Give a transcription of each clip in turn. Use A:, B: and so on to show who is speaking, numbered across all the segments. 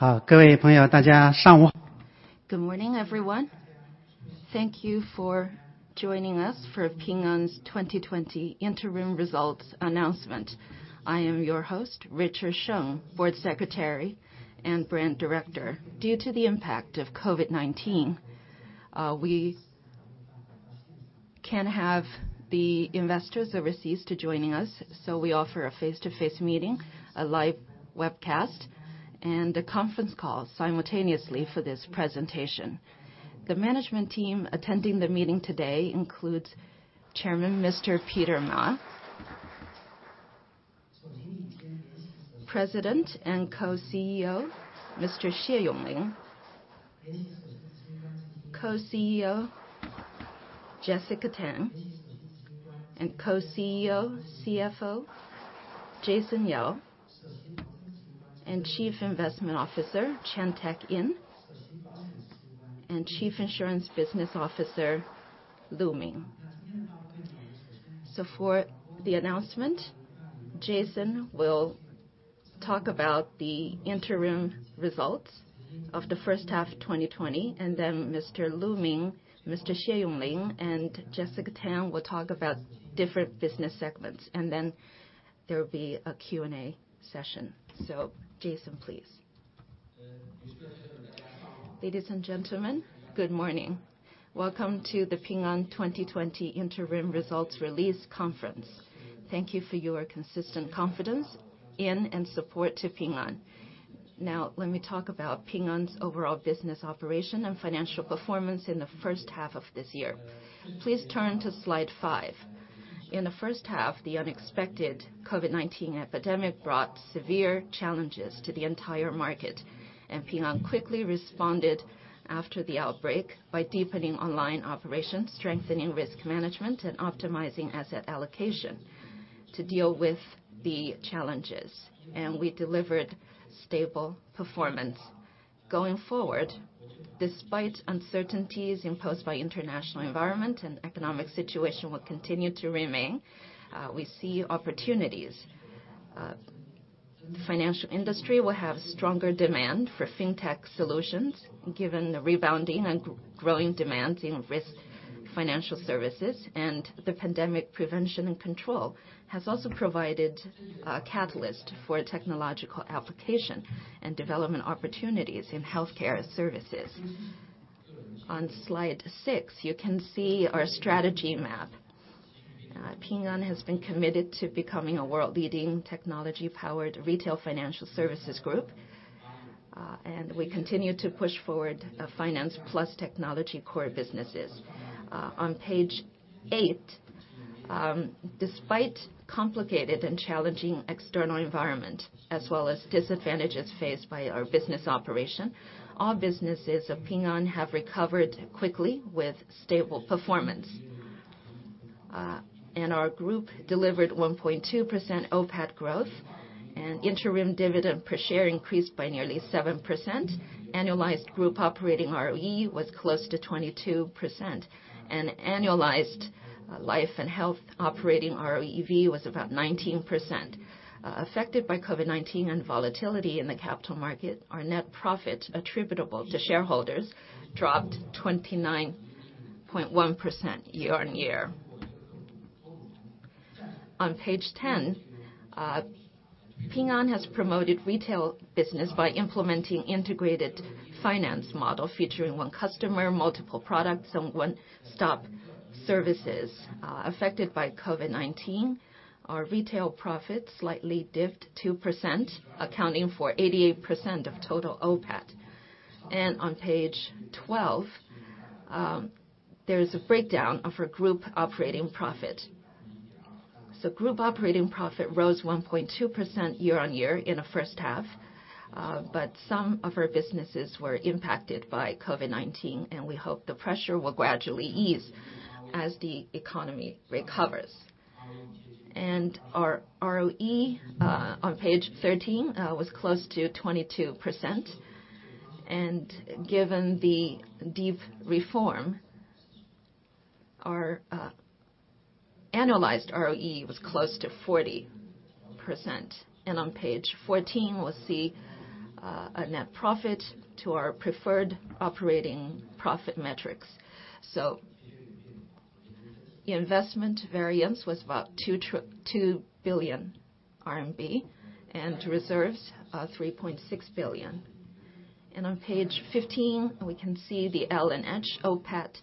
A: Good morning, everyone. Thank you for joining us for Ping An's 2020 interim results announcement. I am your host, Sheng Ruisheng, board secretary and brand director. Due to the impact of COVID-19, we can have the investors overseas to joining us, so we offer a face-to-face meeting, a live webcast, and a conference call simultaneously for this presentation. The management team attending the meeting today includes Chairman, Mr. Peter Ma; President and Co-CEO, Mr. Xie Yonglin; Co-CEO, Jessica Tan; and Co-CEO, CFO, Jason Yao; and Chief Investment Officer, Chan Tak Yin, and Chief Insurance Business Officer, Lu Min. So for the announcement, Jason will talk about the interim results of the first half of 2020, and then Mr. Lu Min, Mr. Xie Yonglin, and Jessica Tan will talk about different business segments, and then there will be a Q&A session. So Jason, please.
B: Ladies and gentlemen, good morning. Welcome to the Ping An 2020 interim results release conference. Thank you for your consistent confidence in and support to Ping An. Now, let me talk about Ping An's overall business operation and financial performance in the first half of this year. Please turn to slide 5. In the first half, the unexpected COVID-19 epidemic brought severe challenges to the entire market, and Ping An quickly responded after the outbreak by deepening online operations, strengthening risk management, and optimizing asset allocation to deal with the challenges, and we delivered stable performance. Going forward, despite uncertainties imposed by international environment and economic situation will continue to remain, we see opportunities. Financial industry will have stronger demand for fintech solutions, given the rebounding and growing demand in risk financial services, and the pandemic prevention and control has also provided a catalyst for technological application and development opportunities in healthcare services. On slide 6, you can see our strategy map. Ping An has been committed to becoming a world-leading technology-powered retail financial services group, and we continue to push forward a finance plus technology core businesses. On page 8, despite complicated and challenging external environment, as well as disadvantages faced by our business operation, all businesses of Ping An have recovered quickly with stable performance. And our group delivered 1.2% OPAT growth, and interim dividend per share increased by nearly 7%. Annualized group operating ROE was close to 22%, and annualized, life and health operating ROEV was about 19%. Affected by COVID-19 and volatility in the capital market, our net profit attributable to shareholders dropped 29.1% year-on-year. On page ten, Ping An has promoted retail business by implementing integrated finance model, featuring one customer, multiple products, and one-stop services. Affected by COVID-19, our retail profit slightly dipped 2%, accounting for 88% of total OPAT. On page twelve, there is a breakdown of our group operating profit. Group operating profit rose 1.2% year-on-year in the first half, but some of our businesses were impacted by COVID-19, and we hope the pressure will gradually ease as the economy recovers. Our ROE on page 13 was close to 22%, and given the deep reform, our annualized ROE was close to 40%. On page 14, we'll see a net profit to our preferred operating profit metrics. So the investment variance was about 2 billion RMB, and reserves 3.6 billion. On page 15, we can see the L&H OPAT.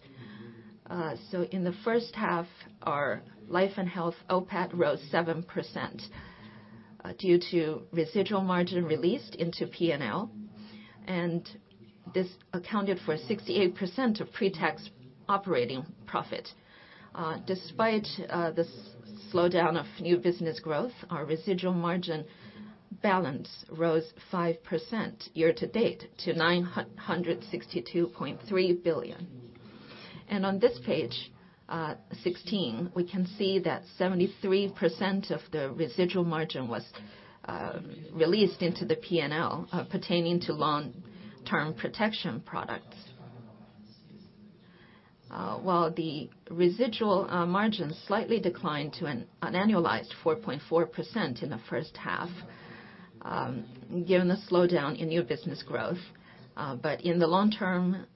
B: So in the first half, our life and health OPAT rose 7%, due to residual margin released into P&L, and this accounted for 68% of pre-tax operating profit. Despite the slowdown of new business growth, our residual margin balance rose 5% year to date to 962.3 billion.... On this page, 16, we can see that 73% of the residual margin was released into the PNL, pertaining to long-term protection products. While the residual margin slightly declined to an annualized 4.4% in the first half, given the slowdown in new business growth, but in the long term,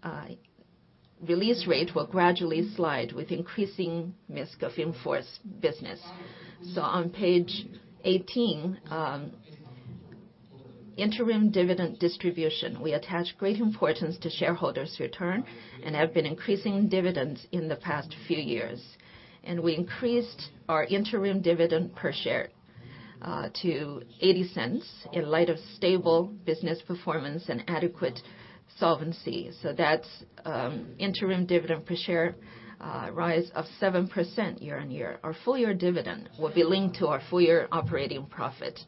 B: release rate will gradually slide with increasing risk of in-force business. On page 18, interim dividend distribution, we attach great importance to shareholders' return and have been increasing dividends in the past few years. We increased our interim dividend per share to 0.80 in light of stable business performance and adequate solvency. That's interim dividend per share rise of 7% year-on-year. Our full year dividend will be linked to our full year operating profit.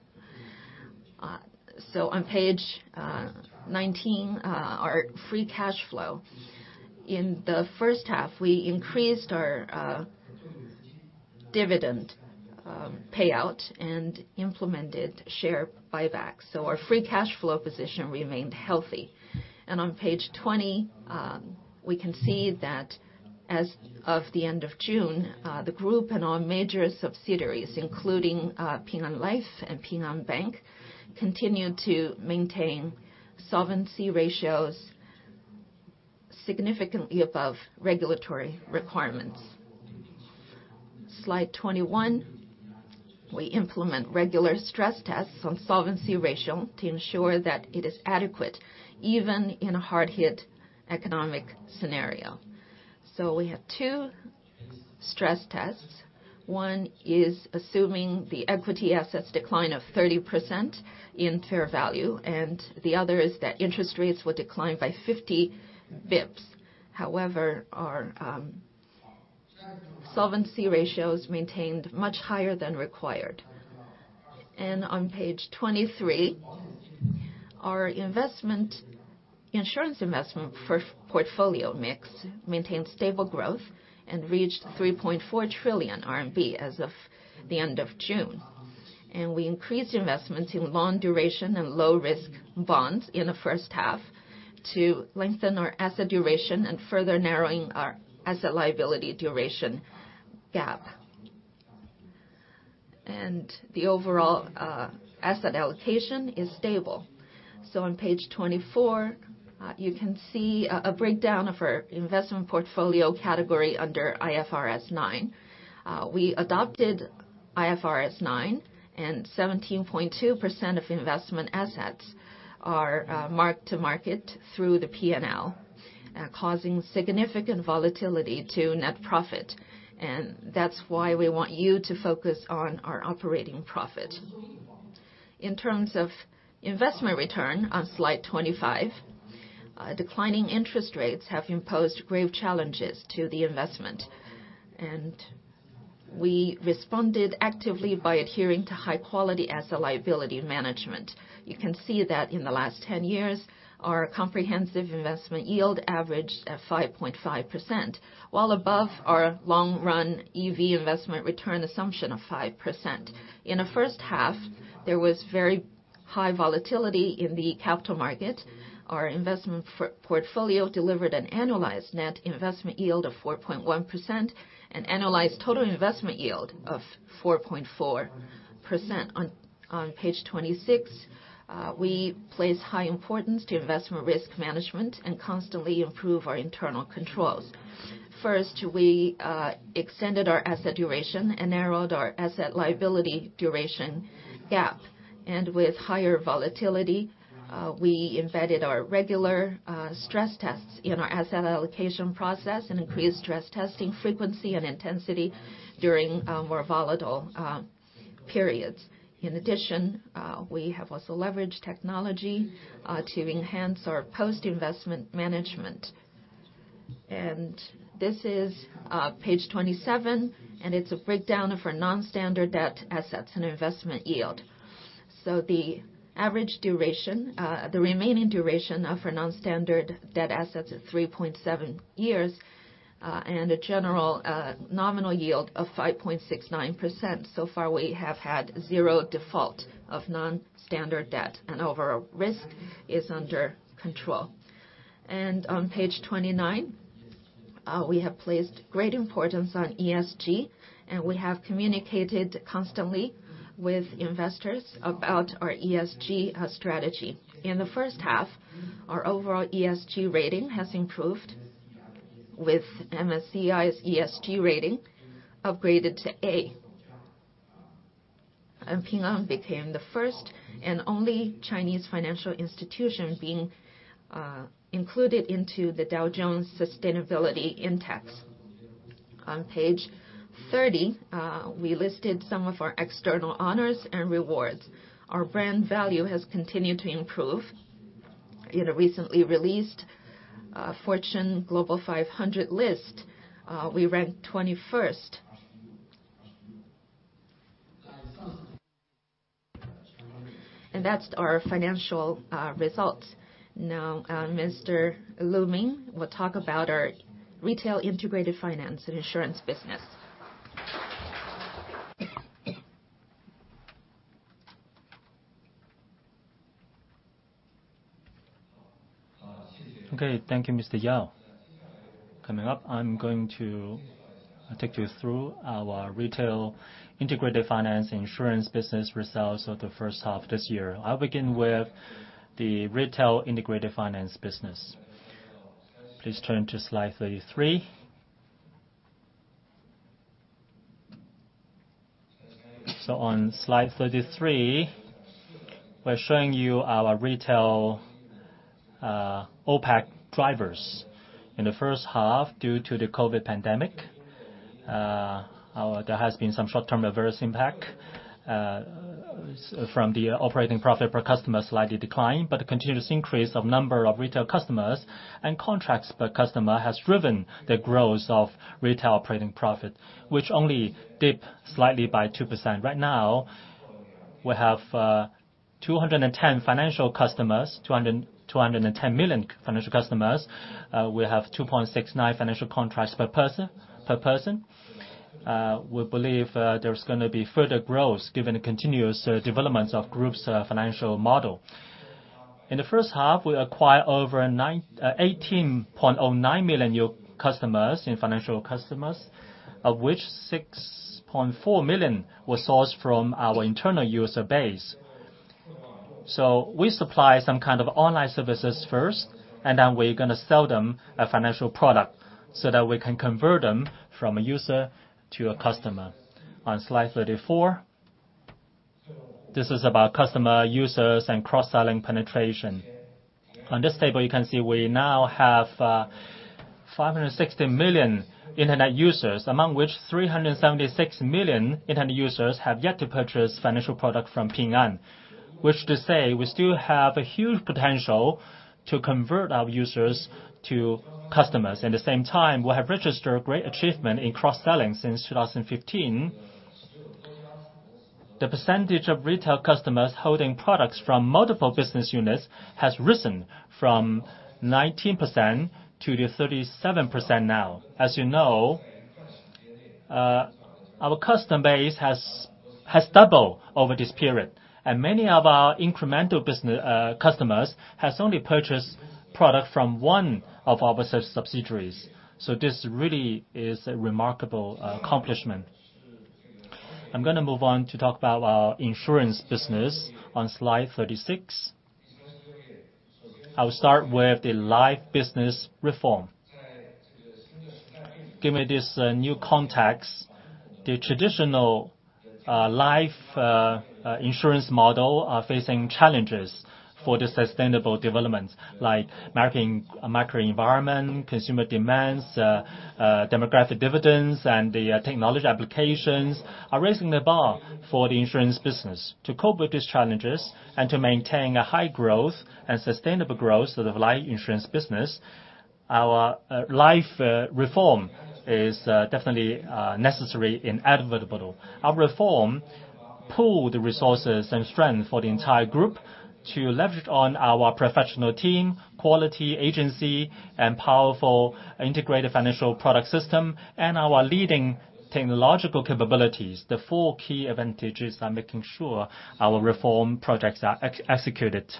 B: So on page 19, our free cash flow. In the first half, we increased our dividend payout and implemented share buyback, so our free cash flow position remained healthy. And on page 20, we can see that as of the end of June, the Group and our major subsidiaries, including Ping An Life and Ping An Bank, continued to maintain solvency ratios significantly above regulatory requirements. Slide 21, we implement regular stress tests on solvency ratio to ensure that it is adequate, even in a hard-hit economic scenario. So we have two stress tests. One is assuming the equity assets decline of 30% in fair value, and the other is that interest rates will decline by 50 basis points. However, our solvency ratio is maintained much higher than required. On page 23, our insurance investment portfolio mix maintained stable growth and reached 3.4 trillion RMB as of the end of June. We increased investments in long duration and low risk bonds in the first half to lengthen our asset duration and further narrowing our asset liability duration gap. The overall asset allocation is stable. So on page 24, you can see a breakdown of our investment portfolio category under IFRS 9. We adopted IFRS 9, and 17.2% of investment assets are mark-to-market through the PNL, causing significant volatility to net profit, and that's why we want you to focus on our operating profit. In terms of investment return, on slide 25, declining interest rates have imposed grave challenges to the investment, and we responded actively by adhering to high quality asset liability management. You can see that in the last 10 years, our comprehensive investment yield averaged at 5.5%, while above our long-run EV investment return assumption of 5%. In the first half, there was very high volatility in the capital market. Our investment for portfolio delivered an annualized net investment yield of 4.1%, and annualized total investment yield of 4.4%. On page 26, we place high importance to investment risk management and constantly improve our internal controls. First, we extended our asset duration and narrowed our asset liability duration gap. With higher volatility, we embedded our regular stress tests in our asset allocation process and increased stress testing frequency and intensity during more volatile periods. In addition, we have also leveraged technology to enhance our post-investment management. This is page 27, and it's a breakdown of our non-standard debt assets and investment yield. So the average duration, the remaining duration of our non-standard debt assets is 3.7 years, and a general nominal yield of 5.69%. So far, we have had 0 default of non-standard debt, and overall risk is under control. On page 29, we have placed great importance on ESG, and we have communicated constantly with investors about our ESG strategy. In the first half, our overall ESG rating has improved, with MSCI's ESG rating upgraded to A. Ping An became the first and only Chinese financial institution being included into the Dow Jones Sustainability Index. On page 30, we listed some of our external honors and rewards. Our brand value has continued to improve. In a recently released, Fortune Global 500 list, we ranked 21st.... And that's our financial result. Now, Mr. Lu Min will talk about our retail integrated finance and insurance business.
C: Okay, thank you, Mr. Yao. Coming up, I'm going to take you through our retail integrated finance insurance business results of the first half this year. I'll begin with the retail integrated finance business. Please turn to Slide 33. So on Slide 33, we're showing you our retail OPAT drivers. In the first half, due to the COVID pandemic, our operating profit per customer slightly declined, but the continuous increase of number of retail customers and contracts per customer has driven the growth of retail operating profit, which only dipped slightly by 2%. Right now, we have 210 million financial customers. We have 2.69 financial contracts per person. We believe, there's gonna be further growth, given the continuous developments of Group's financial model. In the first half, we acquired over nine- eighteen point zero nine million new customers, in financial customers, of which six point four million were sourced from our internal user base. So we supply some kind of online services first, and then we're gonna sell them a financial product, so that we can convert them from a user to a customer. On Slide 34, this is about customer users and cross-selling penetration. On this table, you can see we now have 560 million internet users, among which 376 million internet users have yet to purchase financial product from Ping An. Which to say, we still have a huge potential to convert our users to customers. At the same time, we have registered great achievement in cross-selling since 2015. The percentage of retail customers holding products from multiple business units has risen from 19% to 37% now. As you know, our customer base has doubled over this period, and many of our incremental business customers has only purchased product from one of our subsidiaries. So this really is a remarkable accomplishment. I'm gonna move on to talk about our insurance business on Slide 36. I'll start with the life business reform. Given this new context, the traditional life insurance model are facing challenges for the sustainable development, like marketing, macro environment, consumer demands, demographic dividends, and the technology applications are raising the bar for the insurance business. To cope with these challenges, and to maintain a high growth and sustainable growth of the life insurance business, our life reform is definitely necessary and inevitable. Our reform pool the resources and strength for the entire group to leverage on our professional team, quality agency, and powerful integrated financial product system, and our leading technological capabilities. The four key advantages are making sure our reform projects are executed.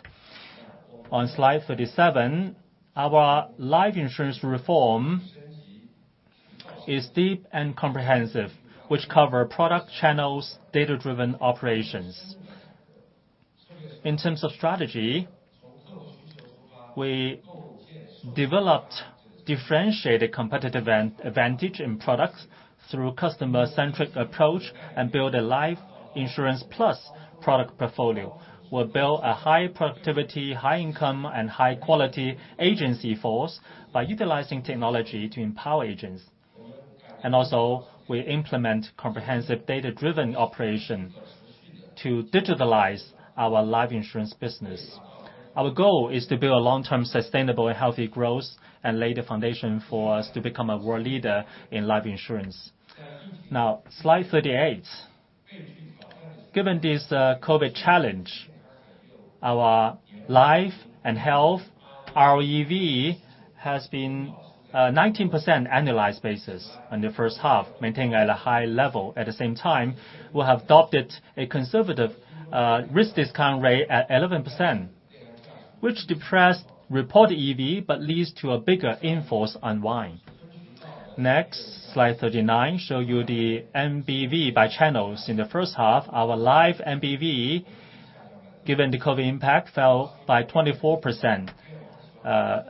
C: On Slide 37, our life insurance reform is deep and comprehensive, which cover product channels, data-driven operations. In terms of strategy, we developed differentiated competitive advantage in products through customer-centric approach, and built a life insurance plus product portfolio. We built a high productivity, high income, and high quality agency force by utilizing technology to empower agents. Also, we implement comprehensive data-driven operation to digitalize our life insurance business. Our goal is to build a long-term, sustainable, and healthy growth and lay the foundation for us to become a world leader in life insurance. Now, Slide 38. Given this, COVID challenge, our life and health ROEV has been, 19% annualized basis in the first half, maintaining at a high level. At the same time, we have adopted a conservative, risk discount rate at 11%, which depressed reported EV, but leads to a bigger in-force unwind. Next, Slide 39 show you the NBV by channels. In the first half, our life NBV, given the COVID impact, fell by 24%,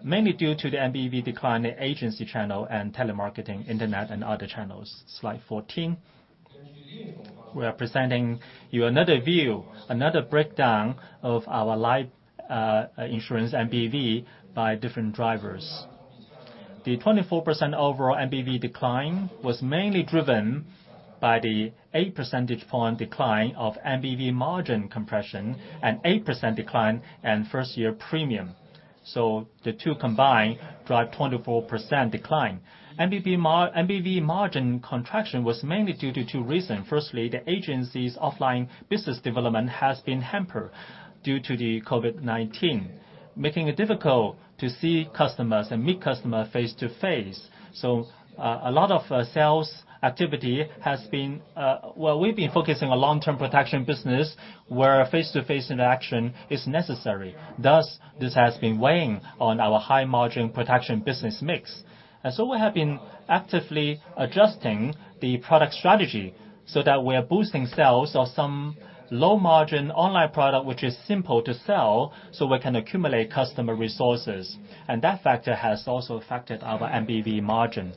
C: mainly due to the NBV decline in agency channel and telemarketing, internet, and other channels. Slide 14, we are presenting you another view, another breakdown of our life, insurance NBV by different drivers. The 24% overall NBV decline was mainly driven by the 8 percentage point decline of NBV margin compression, and 8% decline in first year premium. So the two combined drive 24% decline. NBV margin contraction was mainly due to two reasons. Firstly, the agency's offline business development has been hampered due to the COVID-19, making it difficult to see customers and meet customers face-to-face. So, a lot of sales activity has been—Well, we've been focusing on long-term protection business, where face-to-face interaction is necessary. Thus, this has been weighing on our high-margin protection business mix. And so we have been actively adjusting the product strategy so that we are boosting sales of some low-margin online product, which is simple to sell, so we can accumulate customer resources. And that factor has also affected our NBV margin.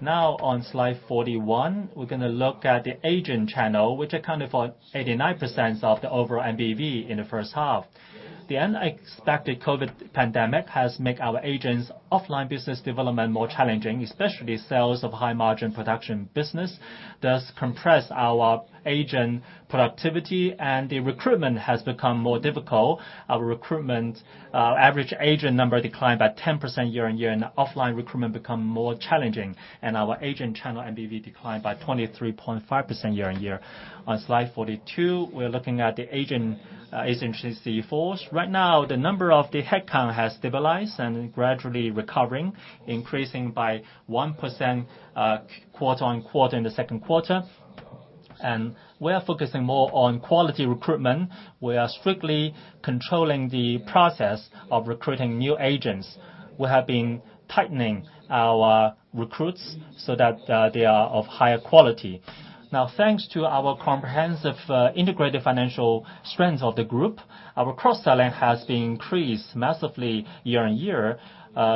C: Now, on Slide 41, we're gonna look at the agent channel, which accounted for 89% of the overall MBV in the first half. The unexpected COVID pandemic has make our agents' offline business development more challenging, especially sales of high-margin production business, thus compress our agent productivity, and the recruitment has become more difficult. Our recruitment, average agent number declined by 10% year-on-year, and offline recruitment become more challenging, and our agent channel MBV declined by 23.5% year-on-year. On Slide 42, we're looking at the agent, agency force. Right now, the number of the headcount has stabilized and gradually recovering, increasing by 1%, quarter-on-quarter in the second quarter. We are focusing more on quality recruitment. We are strictly controlling the process of recruiting new agents. We have been tightening our recruits so that, they are of higher quality. Now, thanks to our comprehensive, integrated financial strength of the group, our cross-selling has been increased massively year-on-year,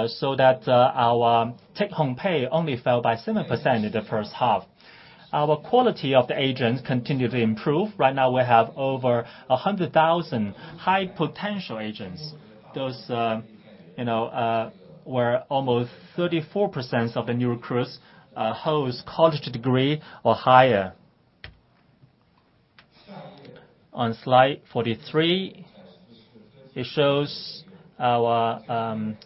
C: so that, our take-home pay only fell by 7% in the first half. Our quality of the agents continued to improve. Right now, we have over 100,000 high-potential agents. Those, you know, where almost 34% of the new recruits holds college degree or higher. On Slide 43, it shows our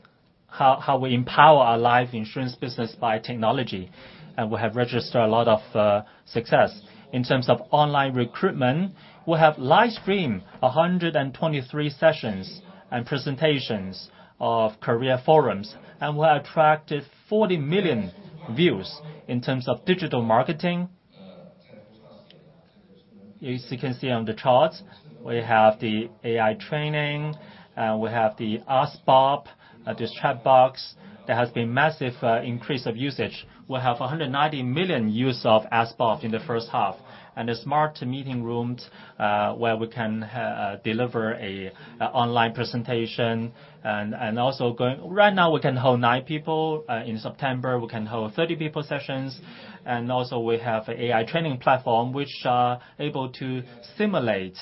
C: how we empower our life insurance business by technology, and we have registered a lot of success. In terms of online recruitment, we have live-streamed 123 sessions and presentations of career forums, and we have attracted 40 million views. In terms of digital marketing, as you can see on the charts, we have the AI training, and we have the AskBob, this chatbox. There has been massive increase of usage. We have 190 million use of AskBob in the first half, and the smart meeting rooms, where we can deliver a, an online presentation and also going. Right now, we can hold nine people. In September, we can hold 30 people sessions. And also, we have a AI training platform, which are able to simulate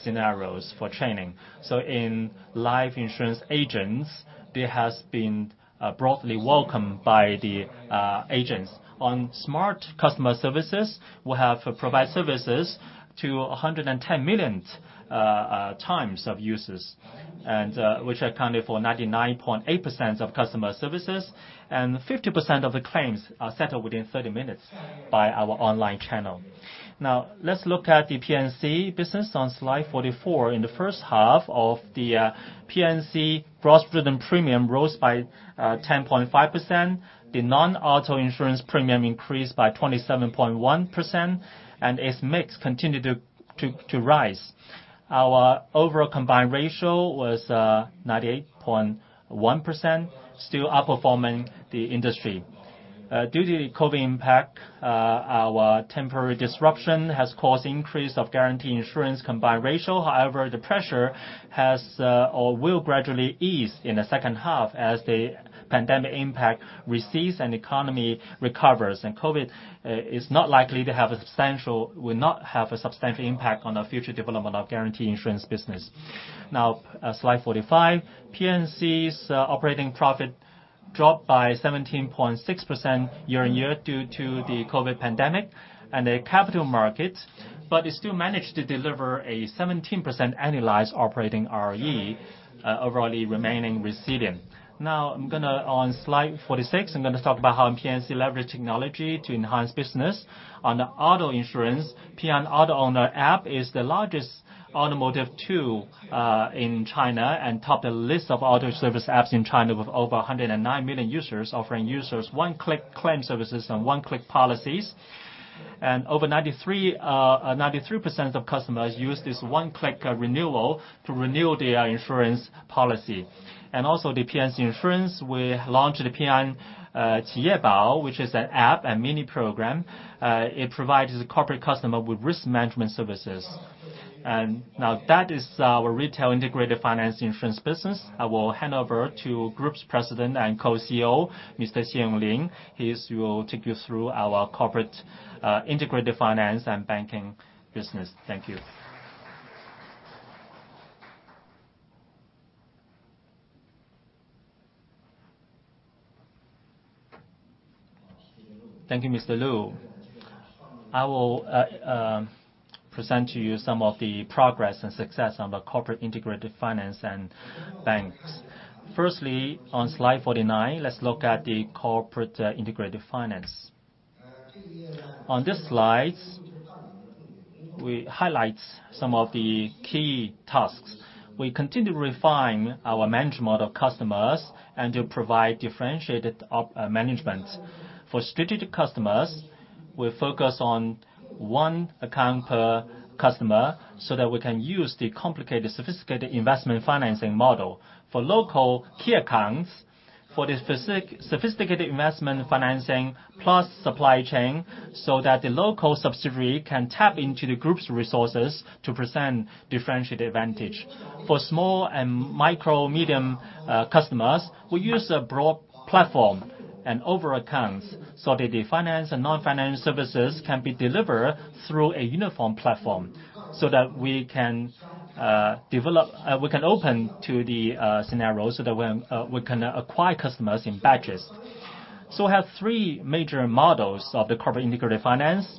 C: scenarios for training. So in life insurance agents, there has been broadly welcomed by the agents. On smart customer services, we have provided services to 110 million times of users, and which accounted for 99.8% of customer services, and 50% of the claims are settled within 30 minutes by our online channel. Now, let's look at the P&C business on Slide 44. In the first half of the P&C, gross written premium rose by 10.5%. The non-auto insurance premium increased by 27.1%, and its mix continued to rise. Our overall combined ratio was 98.1%, still outperforming the industry. Due to the COVID impact, our temporary disruption has caused increase of guarantee insurance combined ratio. However, the pressure has or will gradually ease in the second half as the pandemic impact recedes and economy recovers. COVID is not likely to have a substantial—will not have a substantial impact on the future development of guarantee insurance business. Now, Slide 45. P&C's operating profit dropped by 17.6% year-on-year due to the COVID pandemic and the capital market, but it still managed to deliver a 17% annualized operating ROE, overall remaining resilient. Now, I'm gonna, on Slide 46, I'm gonna talk about how P&C leverage technology to enhance business. On the auto insurance, Ping An Auto Owner app is the largest automotive tool in China, and top the list of auto service apps in China with over 109 million users, offering users one-click claim services and one-click policies. And over 93% of customers use this one-click renewal to renew their insurance policy. And also, the P&C insurance, we launched the Ping An Qiyebao, which is an app and mini program. It provides the corporate customer with risk management services. That is our retail integrated finance insurance business. I will hand over to the Group's President and Co-CEO, Mr. Xie Yonglin. He will take you through our corporate integrated finance and banking business. Thank you. Thank you, Mr. Lu. I will present to you some of the progress and success on the corporate integrated finance and banking. Firstly, on slide 49, let's look at the corporate integrated finance. On this slide, we highlight some of the key tasks. We continue to refine our management of customers, and to provide differentiated management. For strategic customers, we focus on one account per customer, so that we can use the complicated, sophisticated investment financing model. For local key accounts, sophisticated investment financing plus supply chain, so that the local subsidiary can tap into the group's resources to present differentiated advantage. For small and micro medium customers, we use a broad platform and over accounts, so that the finance and non-financial services can be delivered through a uniform platform, so that we can open to the scenarios, so that we can acquire customers in batches. So we have three major models of the corporate integrated finance,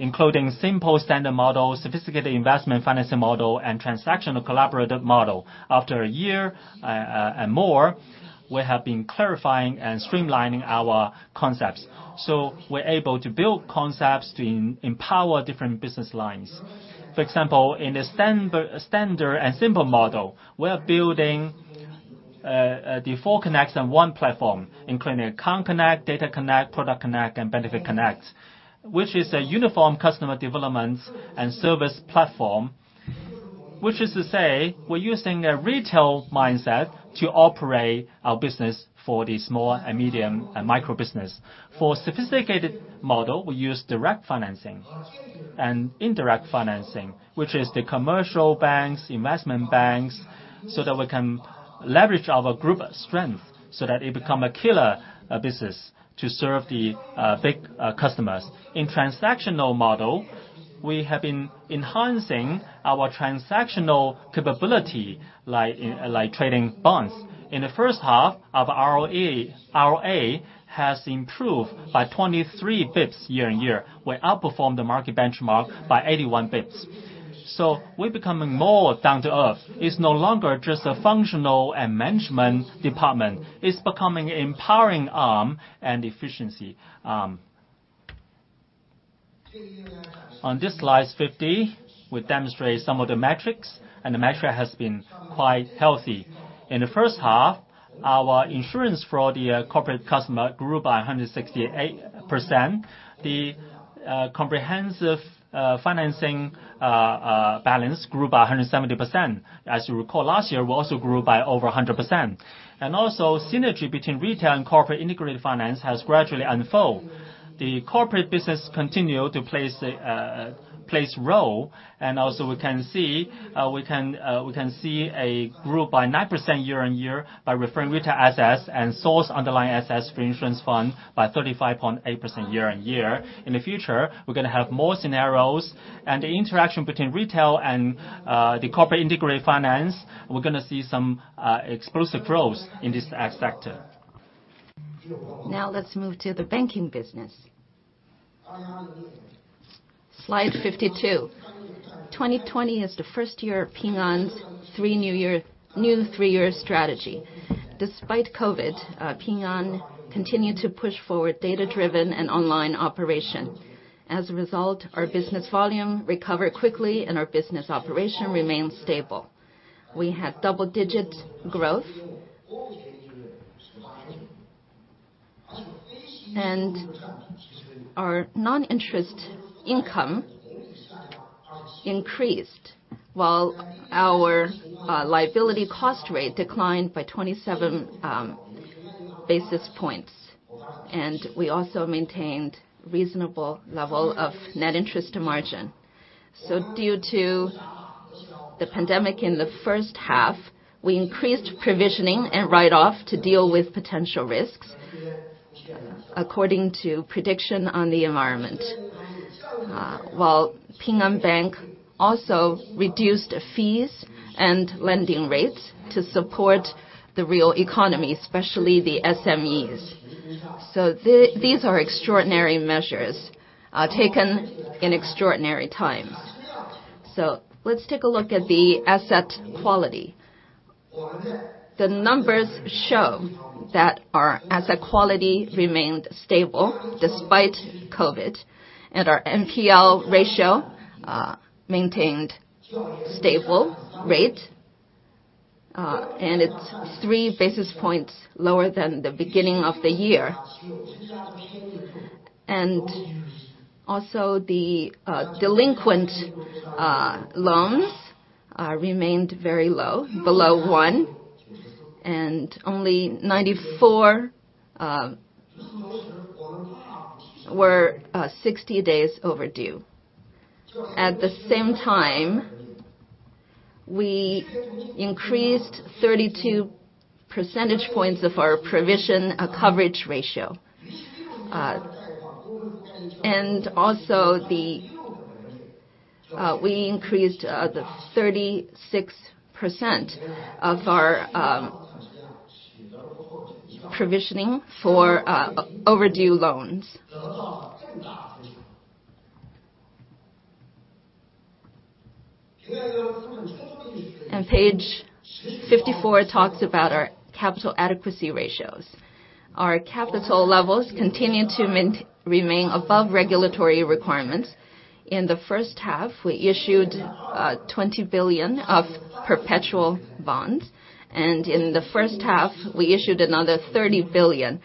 C: including simple standard model, sophisticated investment financing model, and transactional collaborative model. After a year and more, we have been clarifying and streamlining our concepts. So we're able to build concepts to empower different business lines. For example, in the standard and simple model, we are building the four connects on one platform, including account connect, data connect, product connect, and benefit connect, which is a uniform customer development and service platform. Which is to say, we're using a retail mindset to operate our business for the small and medium and micro business. For sophisticated model, we use direct financing and indirect financing, which is the commercial banks, investment banks, so that we can leverage our group strength, so that it become a killer business to serve the big customers. In transactional model, we have been enhancing our transactional capability, like in, like trading bonds. In the first half of our ROE, ROA, has improved by 23 bps year-on-year. We outperformed the market benchmark by 81 bps. So we're becoming more down-to-earth. It's no longer just a functional and management department. It's becoming empowering arm and efficiency. On this slide 50, we demonstrate some of the metrics, and the metric has been quite healthy. In the first half, our insurance for the corporate customer grew by 168%. The comprehensive financing balance grew by 170%. As you recall, last year, we also grew by over 100%. And also, synergy between retail and corporate integrated finance has gradually unfold. The corporate business continued to place role, and also we can see a growth by 9% year-on-year, by referring retail assets and source underlying assets for insurance fund by 35.8% year-on-year. In the future, we're gonna have more scenarios, and the interaction between retail and the corporate integrated finance, we're gonna see some explosive growth in this sector.
B: Now, let's move to the banking business. Slide 52. 2020 is the first year of Ping An's new three-year strategy. Despite COVID, Ping An continued to push forward data-driven and online operation. As a result, our business volume recovered quickly, and our business operation remains stable. We had double-digit growth. Our non-interest income increased, while our liability cost rate declined by 27 basis points, and we also maintained reasonable level of net interest margin. Due to the pandemic in the first half, we increased provisioning and write-off to deal with potential risks, according to prediction on the environment. While Ping An Bank also reduced fees and lending rates to support the real economy, especially the SMEs. These are extraordinary measures taken in extraordinary times. Let's take a look at the asset quality. The numbers show that our asset quality remained stable despite COVID, and our NPL ratio maintained stable rate, and it's 3 basis points lower than the beginning of the year. And also, the delinquent loans remained very low, below 1, and only 94 were 60 days overdue. At the same time, we increased 32 percentage points of our provision coverage ratio. And also we increased the 36% of our provisioning for overdue loans. And page 54 talks about our capital adequacy ratios. Our capital levels continue to remain above regulatory requirements. In the first half, we issued 20 billion of perpetual bonds, and in the first half, we issued another 30 billion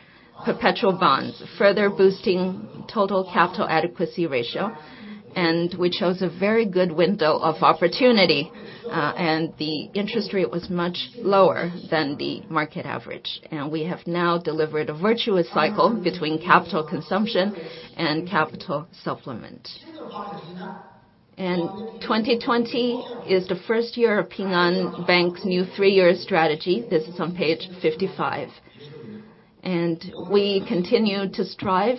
B: perpetual bonds, further boosting total capital adequacy ratio, and we chose a very good window of opportunity, and the interest rate was much lower than the market average. We have now delivered a virtuous cycle between capital consumption and capital supplement. 2020 is the first year of Ping An Bank's new three-year strategy. This is on page 55. We continue to strive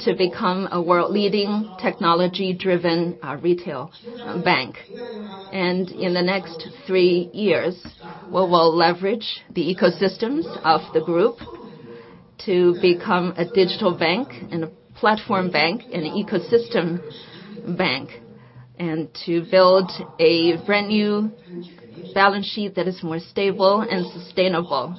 B: to become a world-leading, technology-driven retail bank. In the next three years, we will leverage the ecosystems of the group to become a digital bank and a platform bank and an ecosystem bank, and to build a brand-new balance sheet that is more stable and sustainable.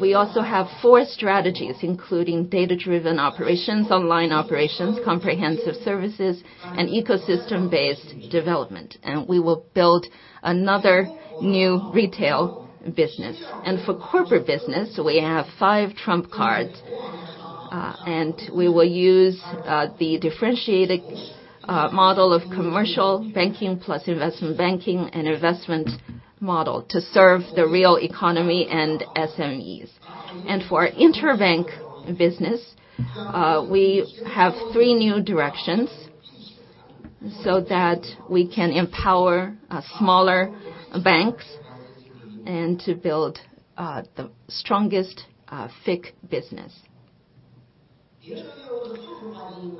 B: We also have four strategies, including data-driven operations, online operations, comprehensive services, and ecosystem-based development, and we will build another new retail business. For corporate business, we have five trump cards, and we will use the differentiated model of commercial banking plus investment banking and investment model to serve the real economy and SMEs. For our interbank business, we have three new directions so that we can empower smaller banks and to build the strongest FIC business.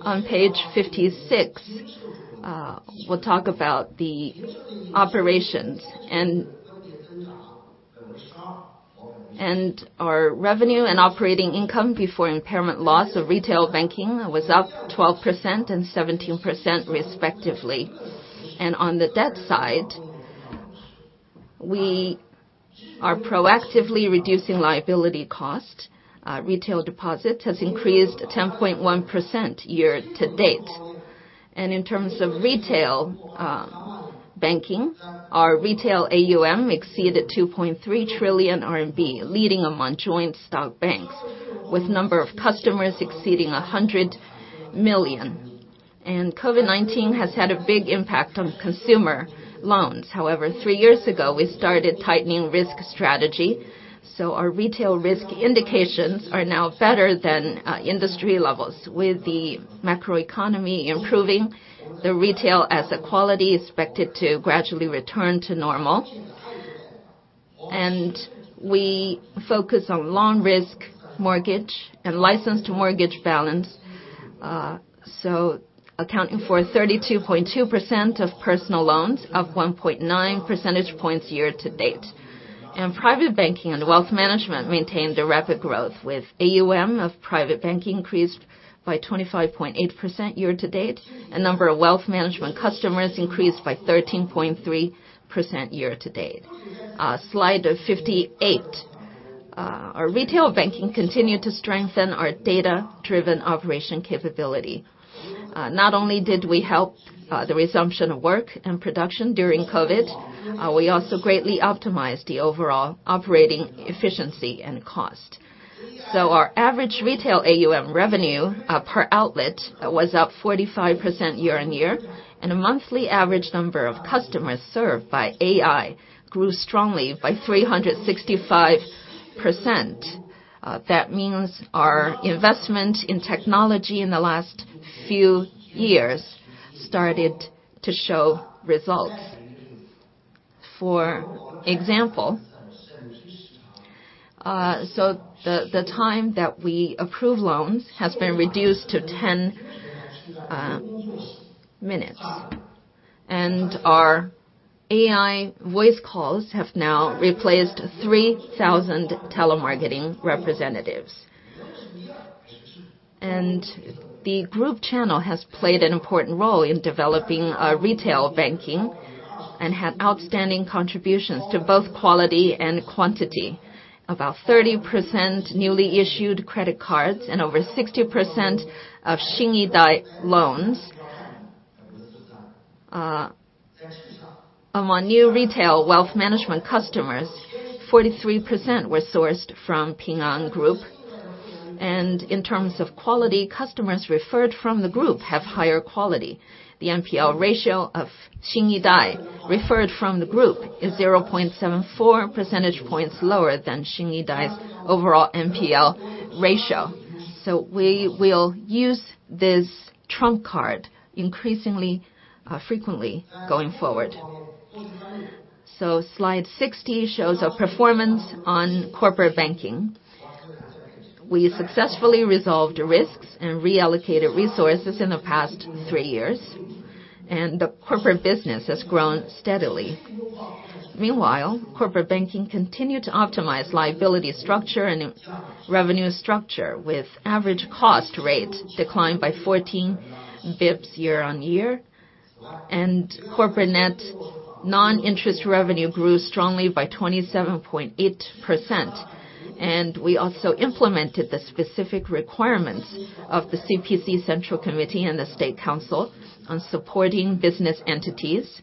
B: On page 56, we'll talk about the operations and our revenue and operating income before impairment loss of retail banking was up 12% and 17% respectively. On the debt side, we are proactively reducing liability cost. Retail deposit has increased 10.1% year to date. In terms of retail banking, our retail AUM exceeded 2.3 trillion RMB, leading among joint stock banks, with number of customers exceeding 100 million. COVID-19 has had a big impact on consumer loans. However, three years ago, we started tightening risk strategy, so our retail risk indications are now better than industry levels. With the macroeconomy improving, the retail asset quality is expected to gradually return to normal. We focus on loan risk, mortgage, and licensed mortgage balance, so accounting for 32.2% of personal loans, up 1.9 percentage points year to date. Private banking and wealth management maintained a rapid growth, with AUM of private banking increased by 25.8% year to date, and number of wealth management customers increased by 13.3% year to date. Slide 58. Our retail banking continued to strengthen our data-driven operation capability. Not only did we help the resumption of work and production during COVID, we also greatly optimized the overall operating efficiency and cost. So our average retail AUM revenue per outlet was up 45% year-on-year, and a monthly average number of customers served by AI grew strongly by 365%. That means our investment in technology in the last few years started to show results. For example, so the time that we approve loans has been reduced to 10 minutes, and our AI voice calls have now replaced 3,000 telemarketing representatives. And the group channel has played an important role in developing retail banking and had outstanding contributions to both quality and quantity. About 30% newly issued credit cards and over 60% of Xinyidai loans. Among new retail wealth management customers, 43% were sourced from Ping An Group. And in terms of quality, customers referred from the group have higher quality. The NPL ratio of Xinyidai referred from the group is 0.74 percentage points lower than Xinyidai's overall NPL ratio. So we will use this trump card increasingly, frequently going forward. So slide 60 shows our performance on corporate banking. We successfully resolved risks and reallocated resources in the past 3 years, and the corporate business has grown steadily. Meanwhile, corporate banking continued to optimize liability structure and revenue structure, with average cost rate declined by 14 basis points year-on-year, and corporate net non-interest revenue grew strongly by 27.8%. We also implemented the specific requirements of the CPC Central Committee and the State Council on supporting business entities.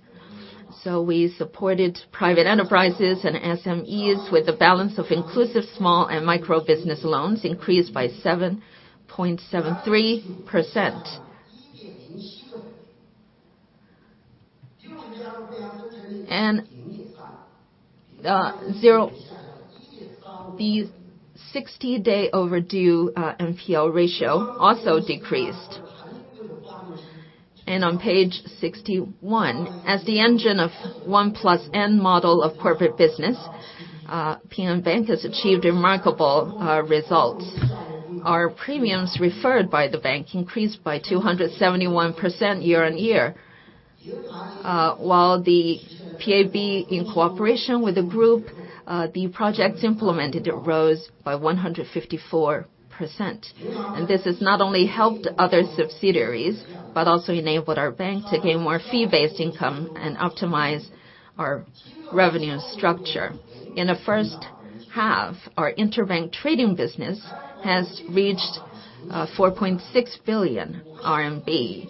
B: So we supported private enterprises and SMEs with a balance of inclusive small and micro business loans increased by 7.73%. The sixty-day overdue NPL ratio also decreased. On page 61, as the engine of one plus N model of corporate business, Ping An Bank has achieved remarkable results. Our premiums referred by the bank increased by 271% year-on-year, while the PAB in cooperation with the group, the projects implemented rose by 154%. This has not only helped other subsidiaries, but also enabled our bank to gain more fee-based income and optimize our revenue structure. In the first half, our interbank trading business has reached CNY 4.6 billion. The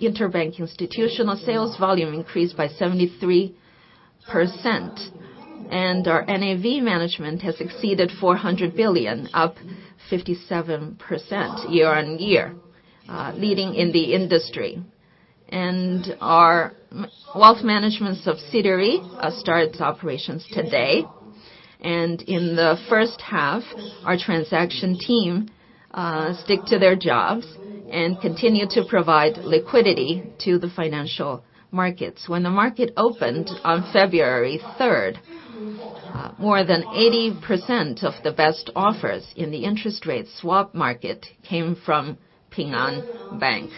B: interbank institutional sales volume increased by 73%, and our NAV management has exceeded 400 billion, up 57% year-on-year, leading in the industry. Our wealth management subsidiary started operations today, and in the first half, our transaction team stick to their jobs and continue to provide liquidity to the financial markets. When the market opened on February 3rd, more than 80% of the best offers in the interest rate swap market came from Ping An Bank.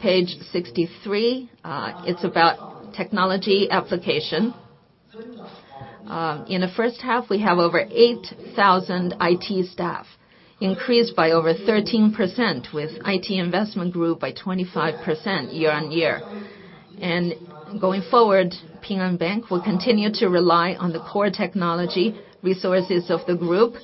B: Page 63, it's about technology application. In the first half, we have over 8,000 IT staff, increased by over 13%, with IT investment grew by 25% year-on-year. Going forward, Ping An Bank will continue to rely on the core technology resources of the group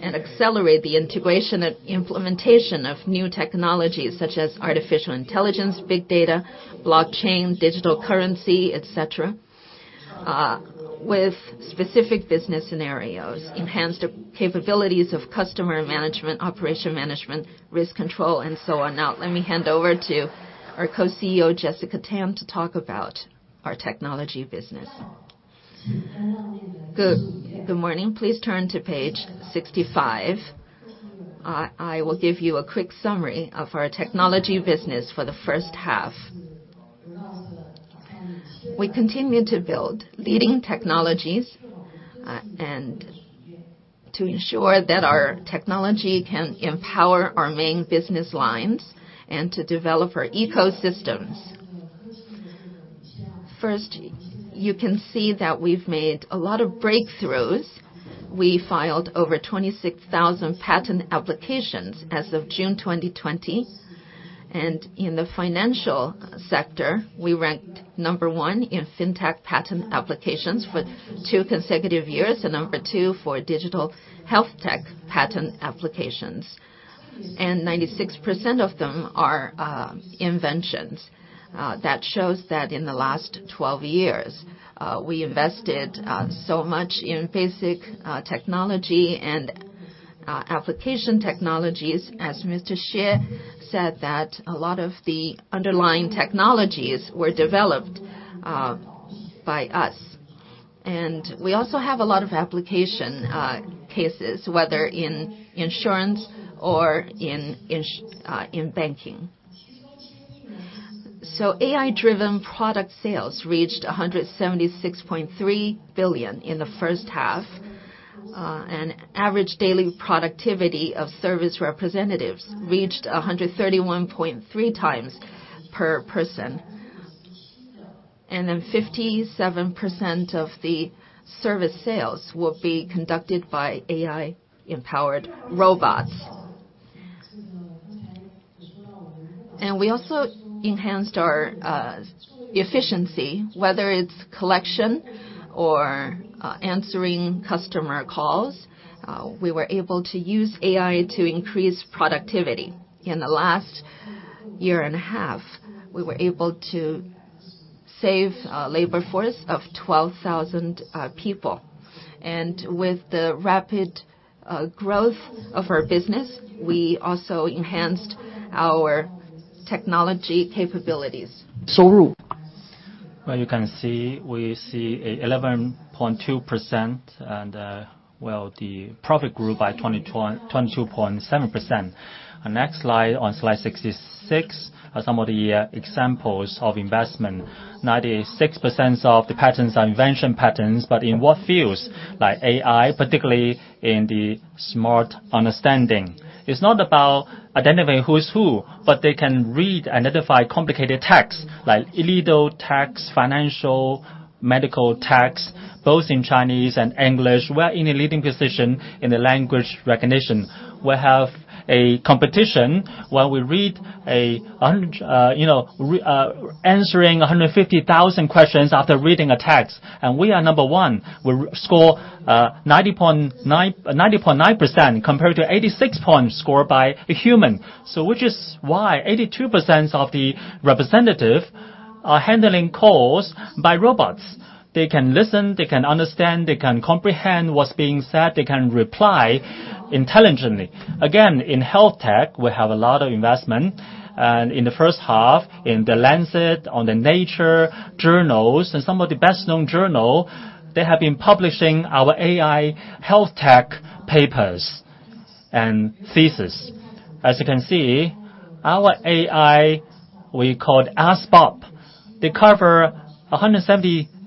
B: and accelerate the integration and implementation of new technologies, such as artificial intelligence, big data, blockchain, digital currency, et cetera, with specific business scenarios, enhanced capabilities of customer management, operation management, risk control, and so on. Now, let me hand over to our Co-CEO, Jessica Tan, to talk about our technology business. Good, good morning. Please turn to page 65. I will give you a quick summary of our technology business for the first half. We continued to build leading technologies, and to ensure that our technology can empower our main business lines and to develop our ecosystems. First, you can see that we've made a lot of breakthroughs. We filed over 26,000 patent applications as of June 2020, and in the financial sector, we ranked number 1 in fintech patent applications for 2 consecutive years, and number 2 for digital health tech patent applications. Ninety-six percent of them are inventions. That shows that in the last 12 years, we invested so much in basic technology and application technologies. As Mr. Xie said, a lot of the underlying technologies were developed by us. And we also have a lot of application cases, whether in insurance or in banking. So AI-driven product sales reached 176.3 billion in the first half, and average daily productivity of service representatives reached 131.3 times per person. Then 57% of the service sales will be conducted by AI-empowered robots. And we also enhanced our efficiency, whether it's collection or answering customer calls, we were able to use AI to increase productivity. In the last year and a half, we were able to save labor force of 12,000 people. And with the rapid growth of our business, we also enhanced our technology capabilities. ...
D: Well, you can see, we see an 11.2%, and, well, the profit grew by 22.7%. Next slide, on slide 66, are some of the examples of investment. 96% of the patents are invention patents, but in what fields? Like AI, particularly in the smart understanding. It's not about identifying who is who, but they can read and identify complicated text, like legal text, financial, medical text, both in Chinese and English. We're in a leading position in the language recognition. We have a competition where we read a hundred, you know, reading and answering 150,000 questions after reading a text, and we are number one. We score 90.9, 90.9% compared to 86 points scored by a human. So which is why 82% of the representatives are handling calls by robots. They can listen, they can understand, they can comprehend what's being said, they can reply intelligently. Again, in health tech, we have a lot of investment, and in the first half, in The Lancet, on the Nature journals, and some of the best-known journals, they have been publishing our AI health tech papers and theses. As you can see, our AI, we called AskBob. They cover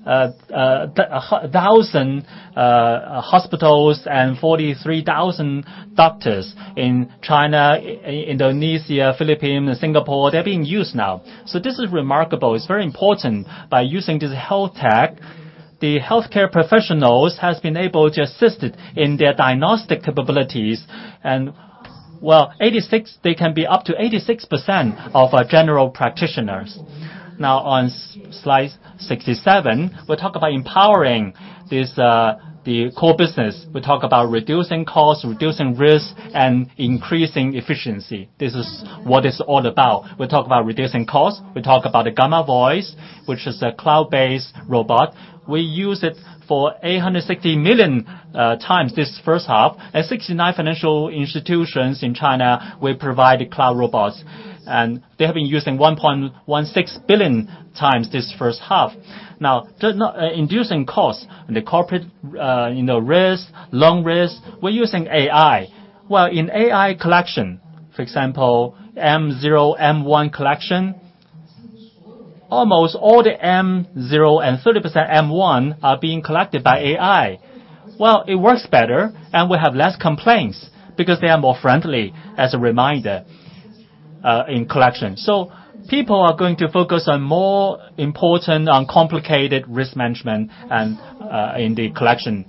D: 170,000 hospitals and 43,000 doctors in China, Indonesia, Philippines, and Singapore. They're being used now. So this is remarkable. It's very important by using this health tech, the healthcare professionals has been able to assist it in their diagnostic capabilities. And well, 86%... They can be up to 86% of our general practitioners. Now, on slide 67, we talk about empowering this, the core business. We talk about reducing costs, reducing risk, and increasing efficiency. This is what it's all about. We talk about reducing costs. We talk about the Gamma Voice, which is a cloud-based robot. We use it for 860 million times this first half. At 69 financial institutions in China, we provide cloud robots, and they have been using 1.16 billion times this first half. Now, they're not inducing costs. The corporate, you know, risk, loan risk, we're using AI. Well, in AI collection, for example, M0, M1 collection, almost all the M0 and 30% M1 are being collected by AI. Well, it works better, and we have less complaints because they are more friendly as a reminder in collection. So people are going to focus on more important and complicated risk management and in the collection.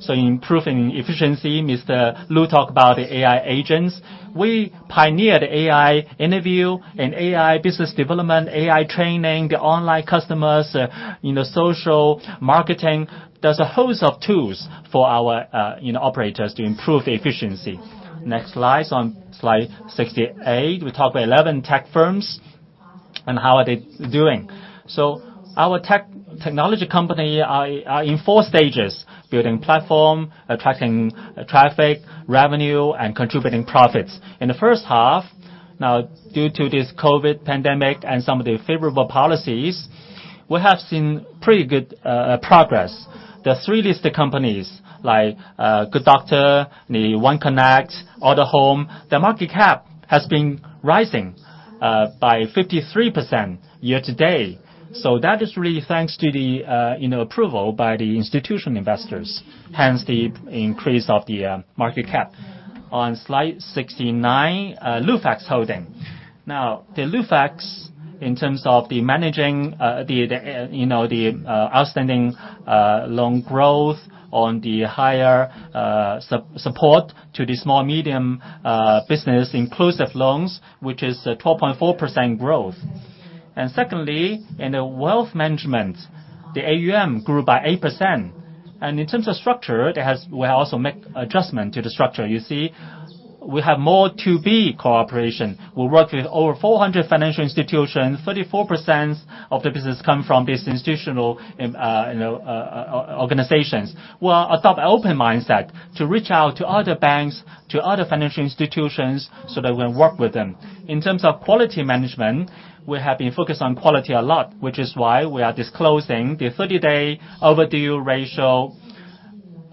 D: So improving efficiency, Mr. Lu talked about the AI agents. We pioneered AI interview and AI business development, AI training, the online customers, you know, social marketing. There's a host of tools for our, you know, operators to improve efficiency. Next slide. On slide 68, we talk about 11 tech firms and how are they doing. So our technology companies are in four stages: building platform, attracting traffic, revenue, and contributing profits. In the first half, now, due to this COVID pandemic and some of the favorable policies, we have seen pretty good progress. The three listed companies, like Good Doctor, the OneConnect, Autohome, the market cap has been rising by 53% year to date. So that is really thanks to the, you know, approval by the institutional investors, hence the increase of the, market cap. On slide 69, Lufax Holding. Now, the Lufax, in terms of the managing, the, the, you know, the, outstanding, loan growth on the higher, support to the small, medium, business inclusive loans, which is a 12.4% growth. And secondly, in the wealth management, the AUM grew by 8%. And in terms of structure, it has—we have also make adjustment to the structure. You see, we have more to-be cooperation. We work with over 400 financial institutions, 34% of the business come from these institutional, you know, organizations. We're adopt an open mindset to reach out to other banks, to other financial institutions, so that we can work with them. In terms of quality management, we have been focused on quality a lot, which is why we are disclosing the 30-day overdue ratio.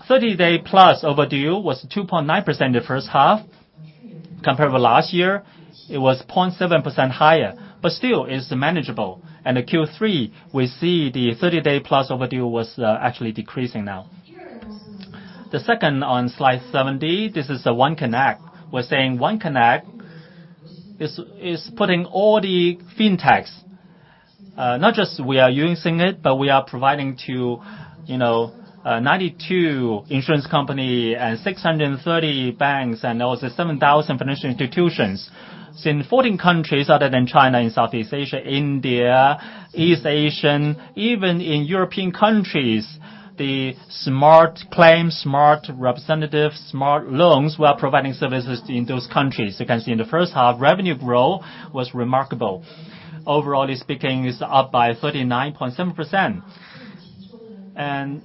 D: 30-day plus overdue was 2.9% the first half. Compared with last year, it was 0.7% higher, but still, it's manageable. And the Q3, we see the 30-day plus overdue was, actually decreasing now. The second on slide 70, this is a OneConnect. We're saying OneConnect is putting all the fintechs, not just we are using it, but we are providing to, you know, 92 insurance company and 630 banks, and also 7,000 financial institutions. It's in 14 countries other than China, in Southeast Asia, India, East Asian, even in European countries, the smart claims, smart representatives, smart loans, we are providing services in those countries. You can see in the first half, revenue growth was remarkable. Overall speaking, it's up by 39.7%.... And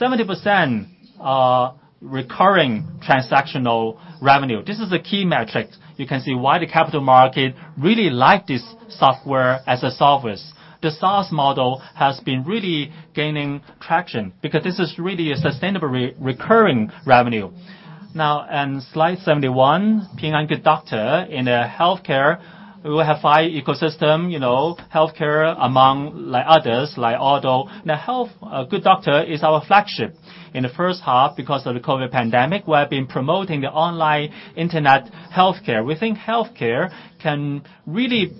D: 70% are recurring transactional revenue. This is a key metric. You can see why the capital market really like this software as a service. The SaaS model has been really gaining traction, because this is really a sustainable recurring revenue. Now, on slide 71, Ping An Good Doctor. In the healthcare, we will have high ecosystem, you know, healthcare among, like, others, like auto. Now, health, Good Doctor is our flagship. In the first half, because of the COVID pandemic, we have been promoting the online internet healthcare. We think healthcare can really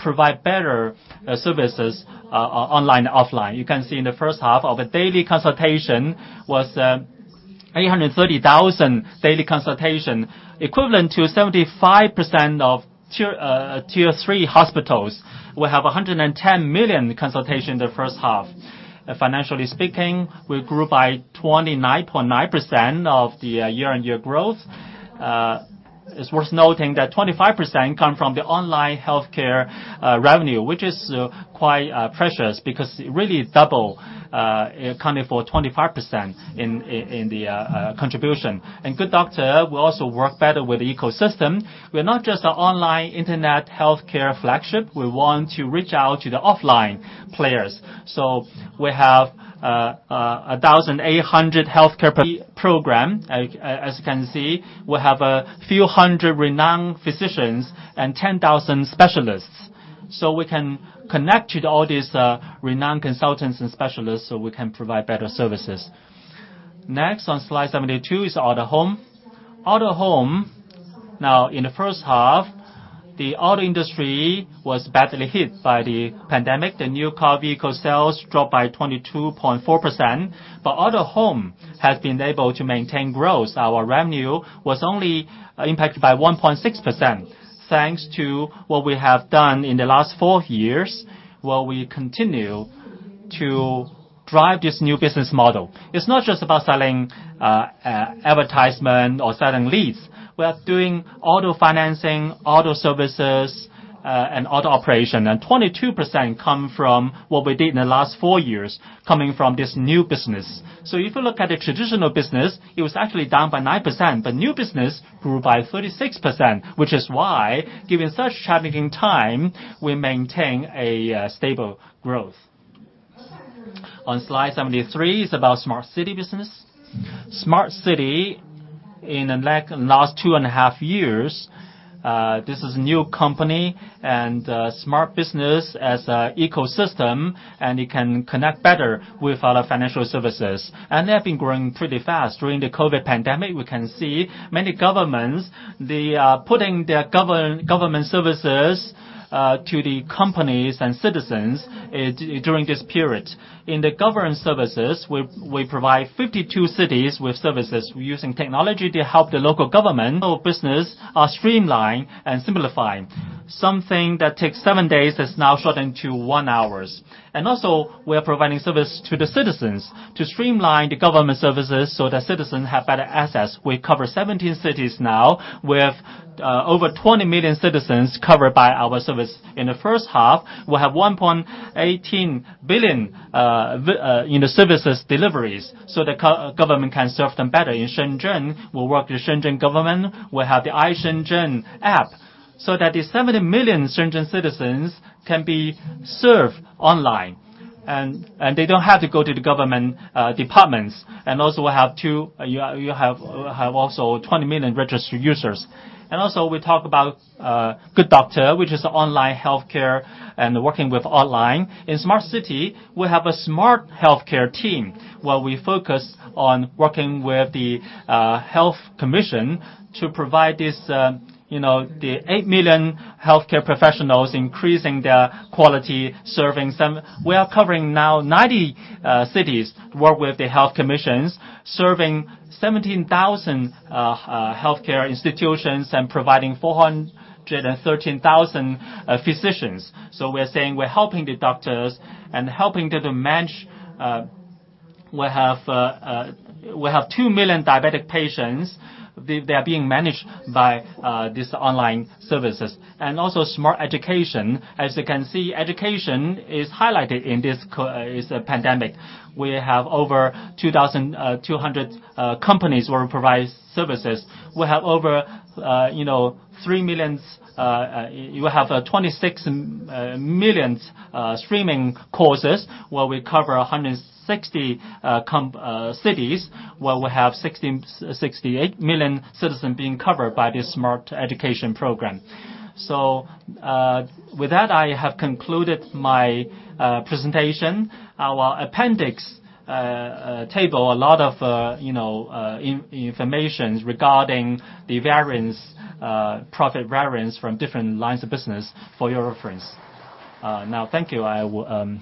D: provide better services online and offline. You can see in the first half a daily consultation was 830,000 daily consultation, equivalent to 75% of tier-three hospitals. We have 110 million consultation in the first half. Financially speaking, we grew by 29.9% of the year-on-year growth. It's worth noting that 25% come from the online healthcare revenue, which is quite precious, because it really double accounting for 25% in the contribution. And Good Doctor will also work better with the ecosystem. We're not just an online internet healthcare flagship, we want to reach out to the offline players. So we have 1,800 healthcare program. As you can see, we have a few hundred renowned physicians and 10,000 specialists, so we can connect with all these renowned consultants and specialists, so we can provide better services. Next, on slide 72 is Autohome. Autohome, now, in the first half, the auto industry was badly hit by the pandemic. The new car vehicle sales dropped by 22.4%, but Autohome has been able to maintain growth. Our revenue was only impacted by 1.6%, thanks to what we have done in the last four years, where we continue to drive this new business model. It's not just about selling advertisement or selling leads. We are doing auto financing, auto services, and auto operation. And 22% come from what we did in the last four years, coming from this new business. So if you look at the traditional business, it was actually down by 9%, but new business grew by 36%, which is why, given such challenging time, we maintain a stable growth. On slide 73 is about smart city business. Smart city, in the last two and a half years, this is new company and smart business as a ecosystem, and it can connect better with other financial services. And they have been growing pretty fast. During the COVID pandemic, we can see many governments, they are putting their government services to the companies and citizens during this period. In the government services, we provide 52 cities with services. We're using technology to help the local government, local business streamline and simplify. Something that takes 7 days is now shortened to 1 hour. And also, we are providing service to the citizens to streamline the government services so that citizens have better access. We cover 17 cities now, with over 20 million citizens covered by our service. In the first half, we have 1.18 billion in the services deliveries, so the government can serve them better. In Shenzhen, we work with Shenzhen government. We have the iShenzhen app, so that the 70 million Shenzhen citizens can be served online, and they don't have to go to the government departments. And also, we have also 20 million registered users. And also, we talk about Good Doctor, which is online healthcare and working with online. In smart city, we have a smart healthcare team, where we focus on working with the health commission to provide this, you know, the 8 million healthcare professionals, increasing their quality, serving some. We are covering now 90 cities to work with the health commissions, serving 17,000 healthcare institutions and providing 413,000 physicians. So we're saying we're helping the doctors and helping them to manage... We have we have 2 million diabetic patients. They they are being managed by these online services. And also smart education. As you can see, education is highlighted in this pandemic. We have over 2,200 companies where we provide services. We have over, you know, 3 million... We have 26 million streaming courses, where we cover 160 cities, where we have 68 million citizens being covered by this smart education program. So, with that, I have concluded my presentation. Our appendix table, a lot of, you know, information regarding the variance, profit variance from different lines of business for your reference.
A: Now, thank you. I will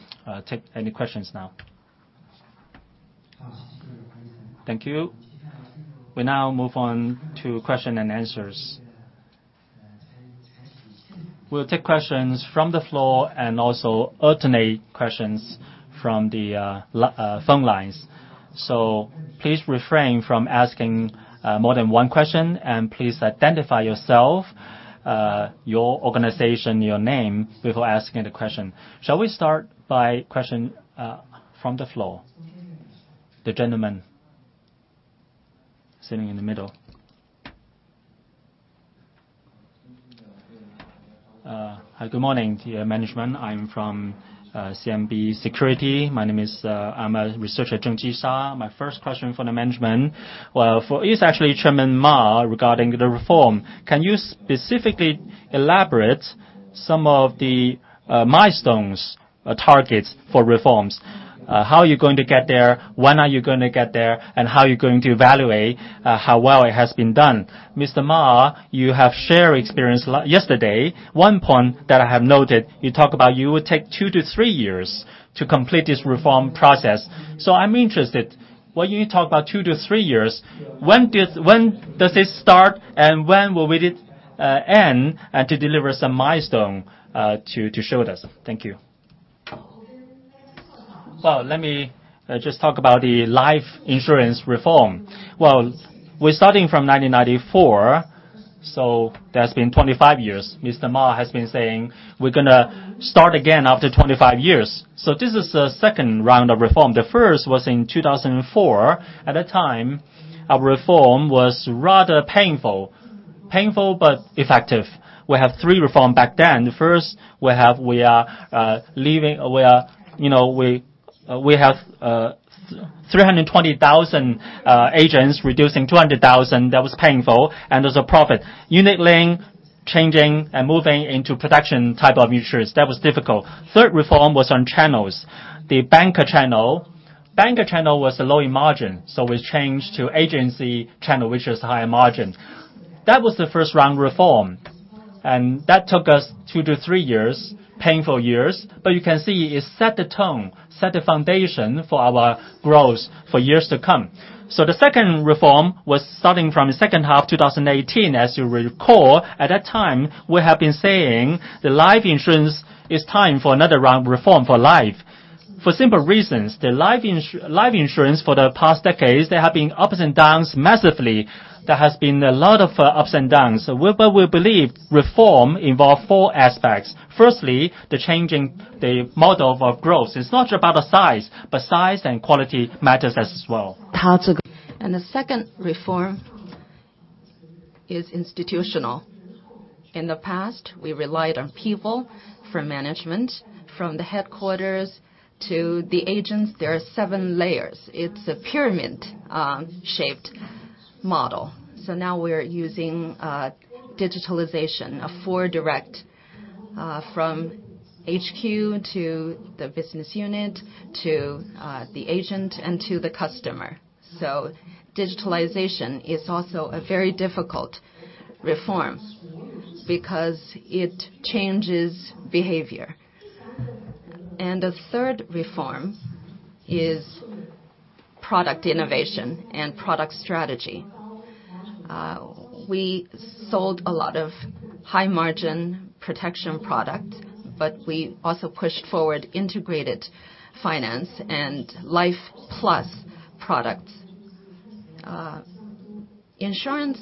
A: take any questions now. Thank you. We now move on to question and answers. We'll take questions from the floor and also alternate questions from the phone lines. So please refrain from asking more than one question, and please identify yourself, your organization, your name, before asking the question. Shall we start by question from the floor? The gentleman sitting in the middle.
E: Hi, good morning to your management. I'm from China Merchants Securities. My name is, I'm a researcher, Zheng Jisha. My first question for the management, well, for—it's actually Chairman Ma regarding the reform. Can you specifically elaborate some of the milestones or targets for reforms? How are you going to get there? When are you gonna get there? And how are you going to evaluate how well it has been done? Mr. Ma, you have shared experience yesterday. One point that I have noted, you talk about you will take two to three years to complete this reform process. So I'm interested, when you talk about two to three years, when does it start, and when will it end, and to deliver some milestone to show us? Thank you.
D: Well, let me just talk about the life insurance reform. Well, we're starting from 1994, so that's been 25 years. Mr. Ma has been saying we're gonna start again after 25 years. So this is the second round of reform. The first was in 2004. At that time, our reform was rather painful. Painful but effective. We have three reform back then. The first, we have we are leaving, we are, you know, we have 320,000 agents reducing 200,000, that was painful, and there's a profit. Unit link changing and moving into production type of insurance, that was difficult. Third reform was on channels. The banker channel. Banker channel was a low in margin, so we changed to agency channel, which is higher margin. That was the first round reform, and that took us two to three years, painful years, but you can see it set the tone, set the foundation for our growth for years to come. So the second reform was starting from the second half of 2018. As you recall, at that time, we have been saying the life insurance, it's time for another round of reform for life. For simple reasons, the life insurance for the past decades, there have been ups and downs massively. There has been a lot of ups and downs. But we believe reform involve four aspects. Firstly, the changing the model of our growth. It's not just about the size, but size and quality matters as well.
B: And the second reform is institutional. In the past, we relied on people from management. From the headquarters to the agents, there are seven layers. It's a pyramid shaped model. So now we're using digitalization, a four direct from HQ to the business unit, to the agent, and to the customer. So digitalization is also a very difficult reform because it changes behavior. And the third reform is product innovation and product strategy. We sold a lot of high-margin protection product, but we also pushed forward integrated finance and life plus products. Insurance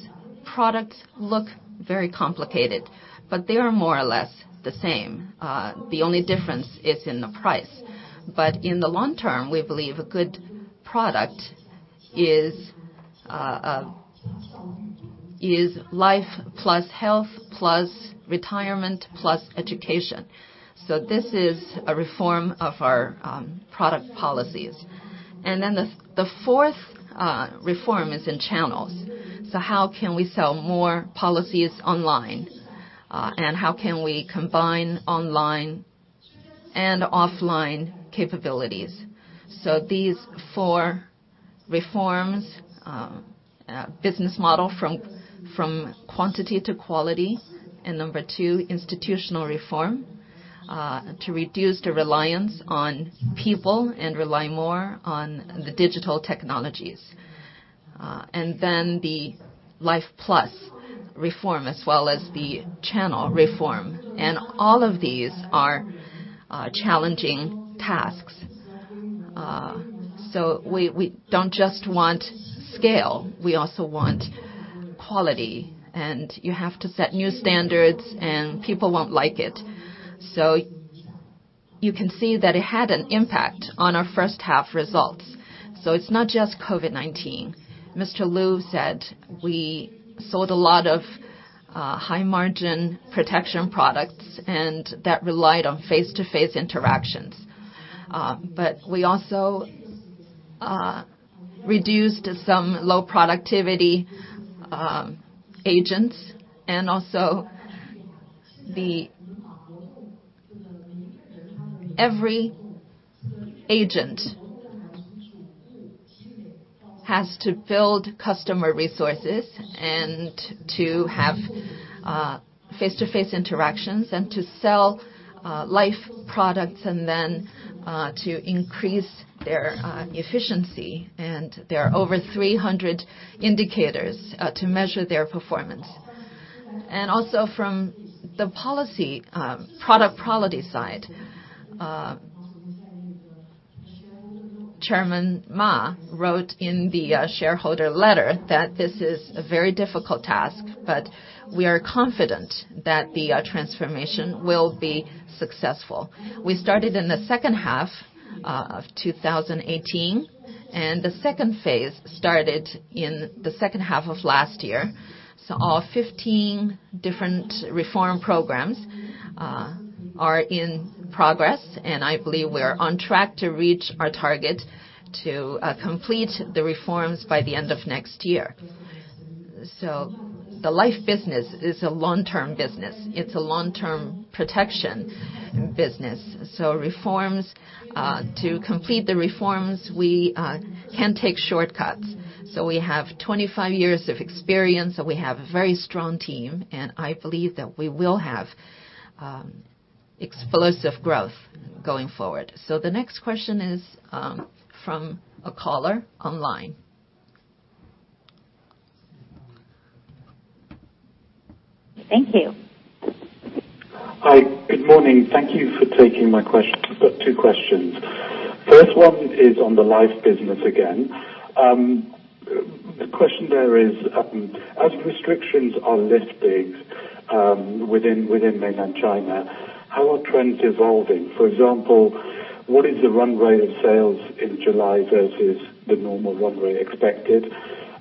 B: products look very complicated, but they are more or less the same. The only difference is in the price. But in the long term, we believe a good product is life plus health, plus retirement, plus education. So this is a reform of our product policies. And then the fourth reform is in channels. So how can we sell more policies online? And how can we combine online and offline capabilities? So these four reforms, business model from quantity to quality, and number two, institutional reform, to reduce the reliance on people and rely more on the digital technologies. And then the life plus reform, as well as the channel reform. And all of these are challenging tasks. So we don't just want scale, we also want quality, and you have to set new standards, and people won't like it. So you can see that it had an impact on our first half results. So it's not just COVID-19. Mr. Lu said we sold a lot of high-margin protection products, and that relied on face-to-face interactions. But we also reduced some low productivity agents. Every agent has to build customer resources and to have face-to-face interactions and to sell life products and then to increase their efficiency. And there are over 300 indicators to measure their performance. And also from the policy product quality side, Chairman Ma wrote in the shareholder letter that this is a very difficult task, but we are confident that the transformation will be successful. We started in the second half of 2018, and the second phase started in the second half of last year. So all 15 different reform programs are in progress, and I believe we are on track to reach our target to complete the reforms by the end of next year. So the life business is a long-term business. It's a long-term protection business. So reforms to complete the reforms, we can't take shortcuts. So we have 25 years of experience, and we have a very strong team, and I believe that we will have explosive growth going forward. So the next question is from a caller online. Thank you. Hi, good morning. Thank you for taking my question. I've got two questions. First one is on the life business again. The question there is, as restrictions are lifted within Mainland China, how are trends evolving? For example, what is the runway of sales in July versus the normal runway expected?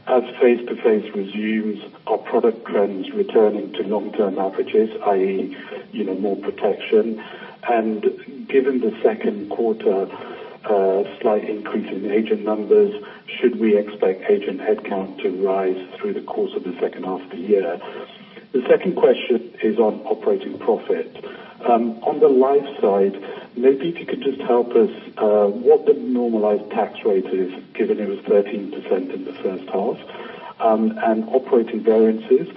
B: As face-to-face resumes, are product trends returning to long-term averages, i.e., you know, more protection? And given the second quarter, slight increase in agent numbers, should we expect agent headcount to rise through the course of the second half of the year? The second question is on operating profit. On the life side, maybe if you could just help us, what the normalized tax rate is, given it was 13% in the first half, and operating variances,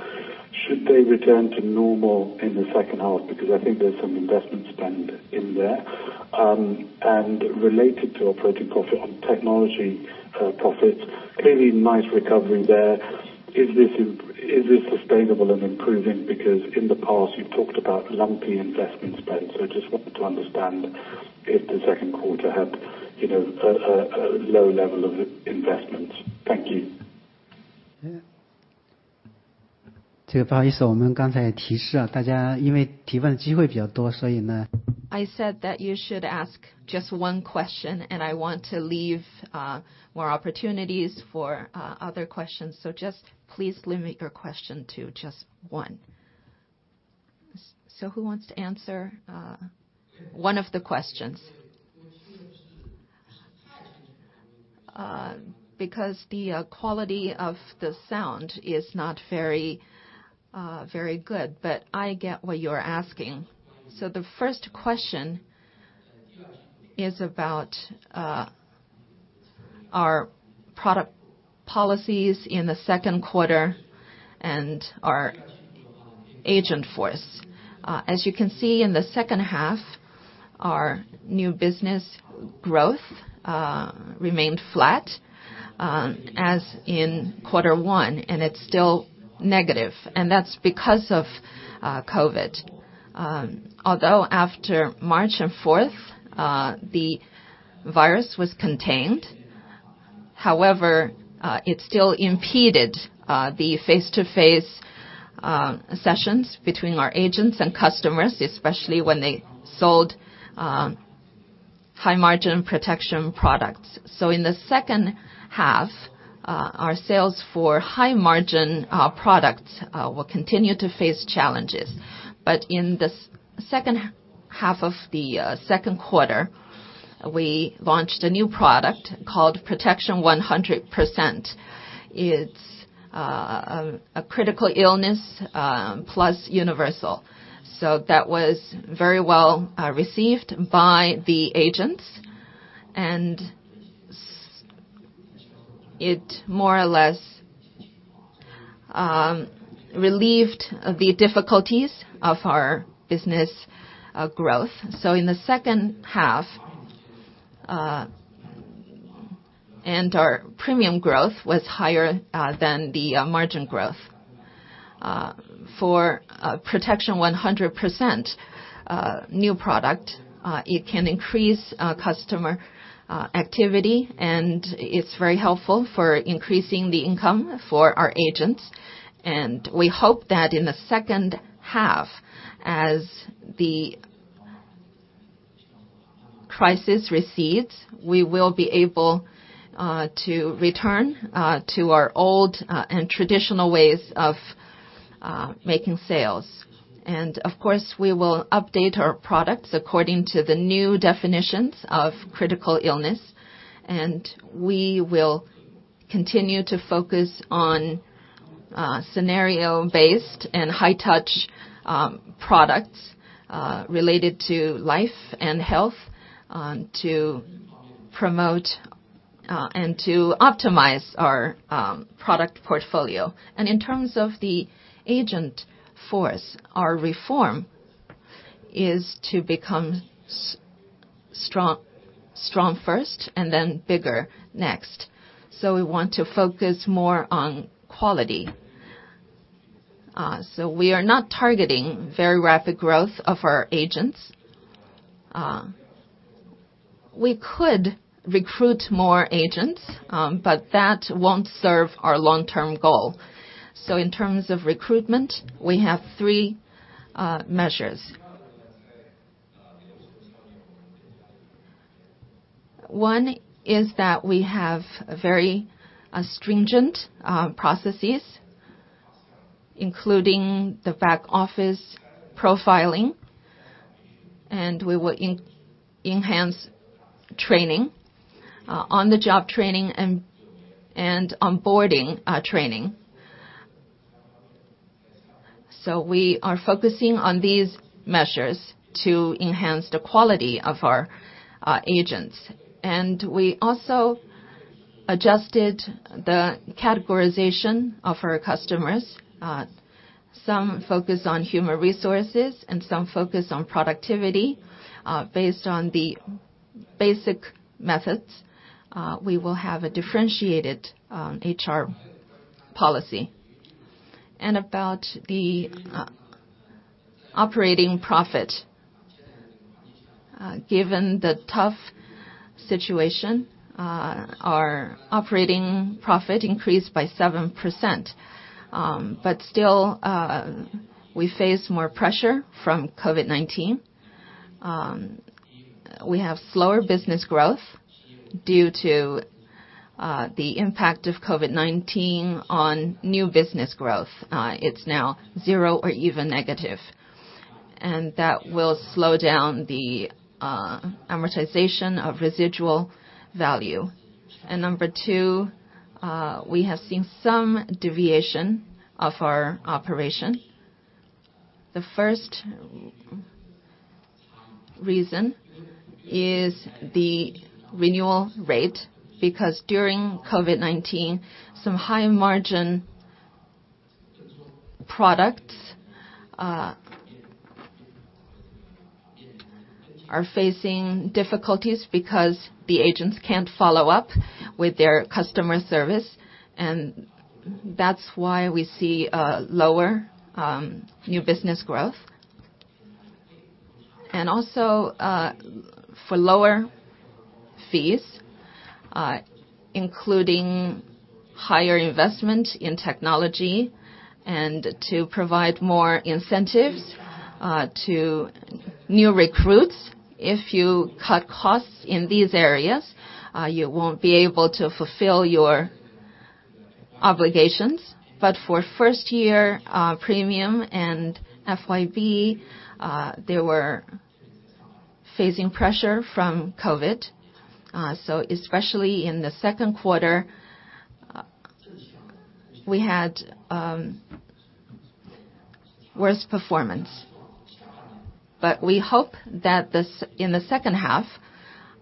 B: should they return to normal in the second half? Because I think there's some investment spend in there. And related to operating profit on technology, profits, clearly nice recovery there. Is this sustainable and improving? Because in the past, you've talked about lumpy investment spend, so I just wanted to understand if the second quarter had, you know, a low level of investments. Thank you. I said that you should ask just one question, and I want to leave more opportunities for other questions. So just please limit your question to just one. So who wants to answer one of the questions? Because the quality of the sound is not very very good, but I get what you're asking. So the first question is about our product policies in the second quarter and our agent force. As you can see in the second half, our new business growth remained flat as in quarter one, and it's still negative, and that's because of COVID. Although after March and fourth the virus was contained, however it still impeded the face-to-face sessions between our agents and customers, especially when they sold high-margin protection products. So in the second half, our sales for high-margin products will continue to face challenges. But in the second half of the second quarter, we launched a new product called Protection 100%. It's a critical illness plus universal. So that was very well received by the agents, and it more or less relieved the difficulties of our business growth. So in the second half, and our premium growth was higher than the margin growth. For Protection 100%, new product, it can increase customer activity, and it's very helpful for increasing the income for our agents. We hope that in the second half, as the crisis recedes, we will be able to return to our old and traditional ways of making sales. Of course, we will update our products according to the new definitions of critical illness, and we will continue to focus on scenario-based and high-touch products related to life and health to promote and to optimize our product portfolio. In terms of the agent force, our reform is to become strong first and then bigger next. So we want to focus more on quality. So we are not targeting very rapid growth of our agents. We could recruit more agents, but that won't serve our long-term goal.... In terms of recruitment, we have three measures. One is that we have a very stringent processes, including the back office profiling, and we will in-enhance training, on-the-job training and onboarding training. So we are focusing on these measures to enhance the quality of our agents. We also adjusted the categorization of our customers. Some focus on human resources and some focus on productivity, based on the basic methods, we will have a differentiated HR policy. About the operating profit, given the tough situation, our operating profit increased by 7%. But still, we face more pressure from COVID-19. We have slower business growth due to the impact of COVID-19 on new business growth. It's now zero or even negative, and that will slow down the amortization of residual value. And number two, we have seen some deviation of our operation. The first reason is the renewal rate, because during COVID-19, some high-margin products are facing difficulties because the agents can't follow up with their customer service, and that's why we see lower new business growth. And also, for lower fees, including higher investment in technology and to provide more incentives to new recruits. If you cut costs in these areas, you won't be able to fulfill your obligations. But for first year premium and uncertain, they were facing pressure from COVID, so especially in the second quarter, we had worse performance. But we hope that this in the second half,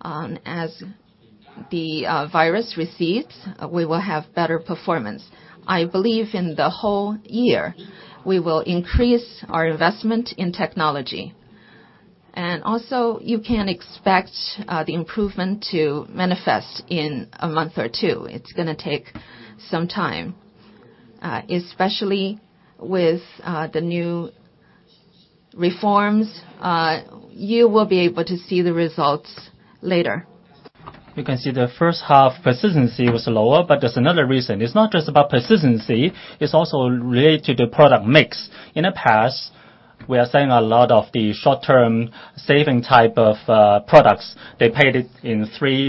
B: as the virus recedes, we will have better performance. I believe in the whole year, we will increase our investment in technology. Also, you can expect the improvement to manifest in a month or two. It's gonna take some time, especially with the new reforms. You will be able to see the results later.
D: You can see the first half persistency was lower, but there's another reason. It's not just about persistency, it's also related to product mix. In the past, we are selling a lot of the short-term saving type of products. They paid it in,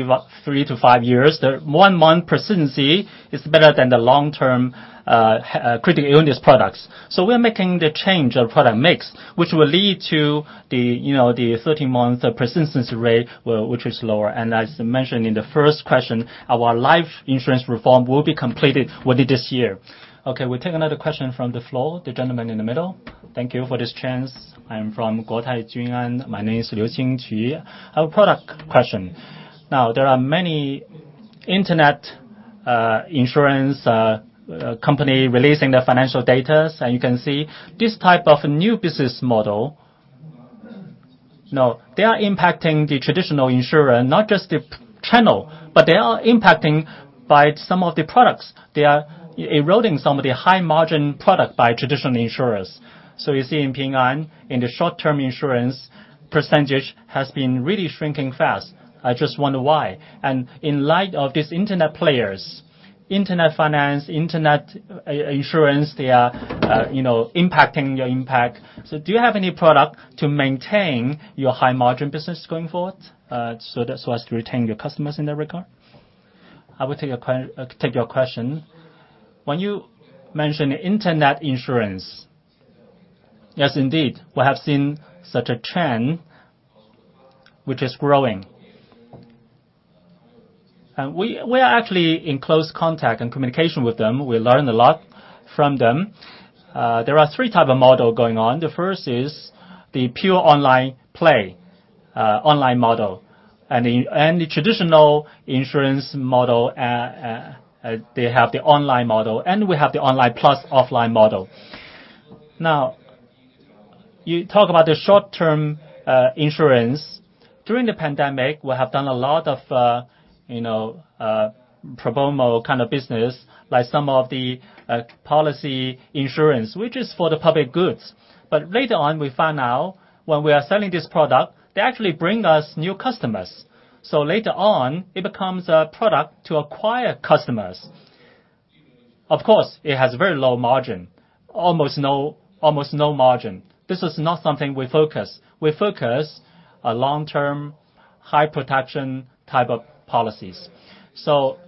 D: about three to five years. The one month persistency is better than the long-term critical illness products. So we're making the change of product mix, which will lead to the, you know, the 13-month persistency rate, well, which is lower. And as mentioned in the first question, our life insurance reform will be completed within this year. Okay, we'll take another question from the floor, the gentleman in the middle.
F: Thank you for this chance. I am from Guotai Junan. My name is Liu Xinqi. I have a product question. Now, there are many internet insurance company releasing their financial data, and you can see this type of new business model. Now, they are impacting the traditional insurer, not just the channel, but they are impacting by some of the products. They are eroding some of the high-margin product by traditional insurers. So you see in Ping An, in the short-term insurance, percentage has been really shrinking fast. I just wonder why. And in light of these internet players, internet finance, internet insurance, they are, you know, impacting your impact. So do you have any product to maintain your high-margin business going forward, so as to retain your customers in that regard?
C: I will take your question. When you mention internet insurance, yes, indeed, we have seen such a trend which is growing. And we are actually in close contact and communication with them. We learn a lot from them. There are three type of model going on. The first is the pure online play, online model, and the traditional insurance model, they have the online model, and we have the online plus offline model. Now, you talk about the short-term insurance. During the pandemic, we have done a lot of, you know, pro bono kind of business, like some of the policy insurance, which is for the public goods. But later on, we found out when we are selling this product, they actually bring us new customers. So later on, it becomes a product to acquire customers.... Of course, it has very low margin, almost no, almost no margin. This is not something we focus. We focus on long-term, high protection type of policies. So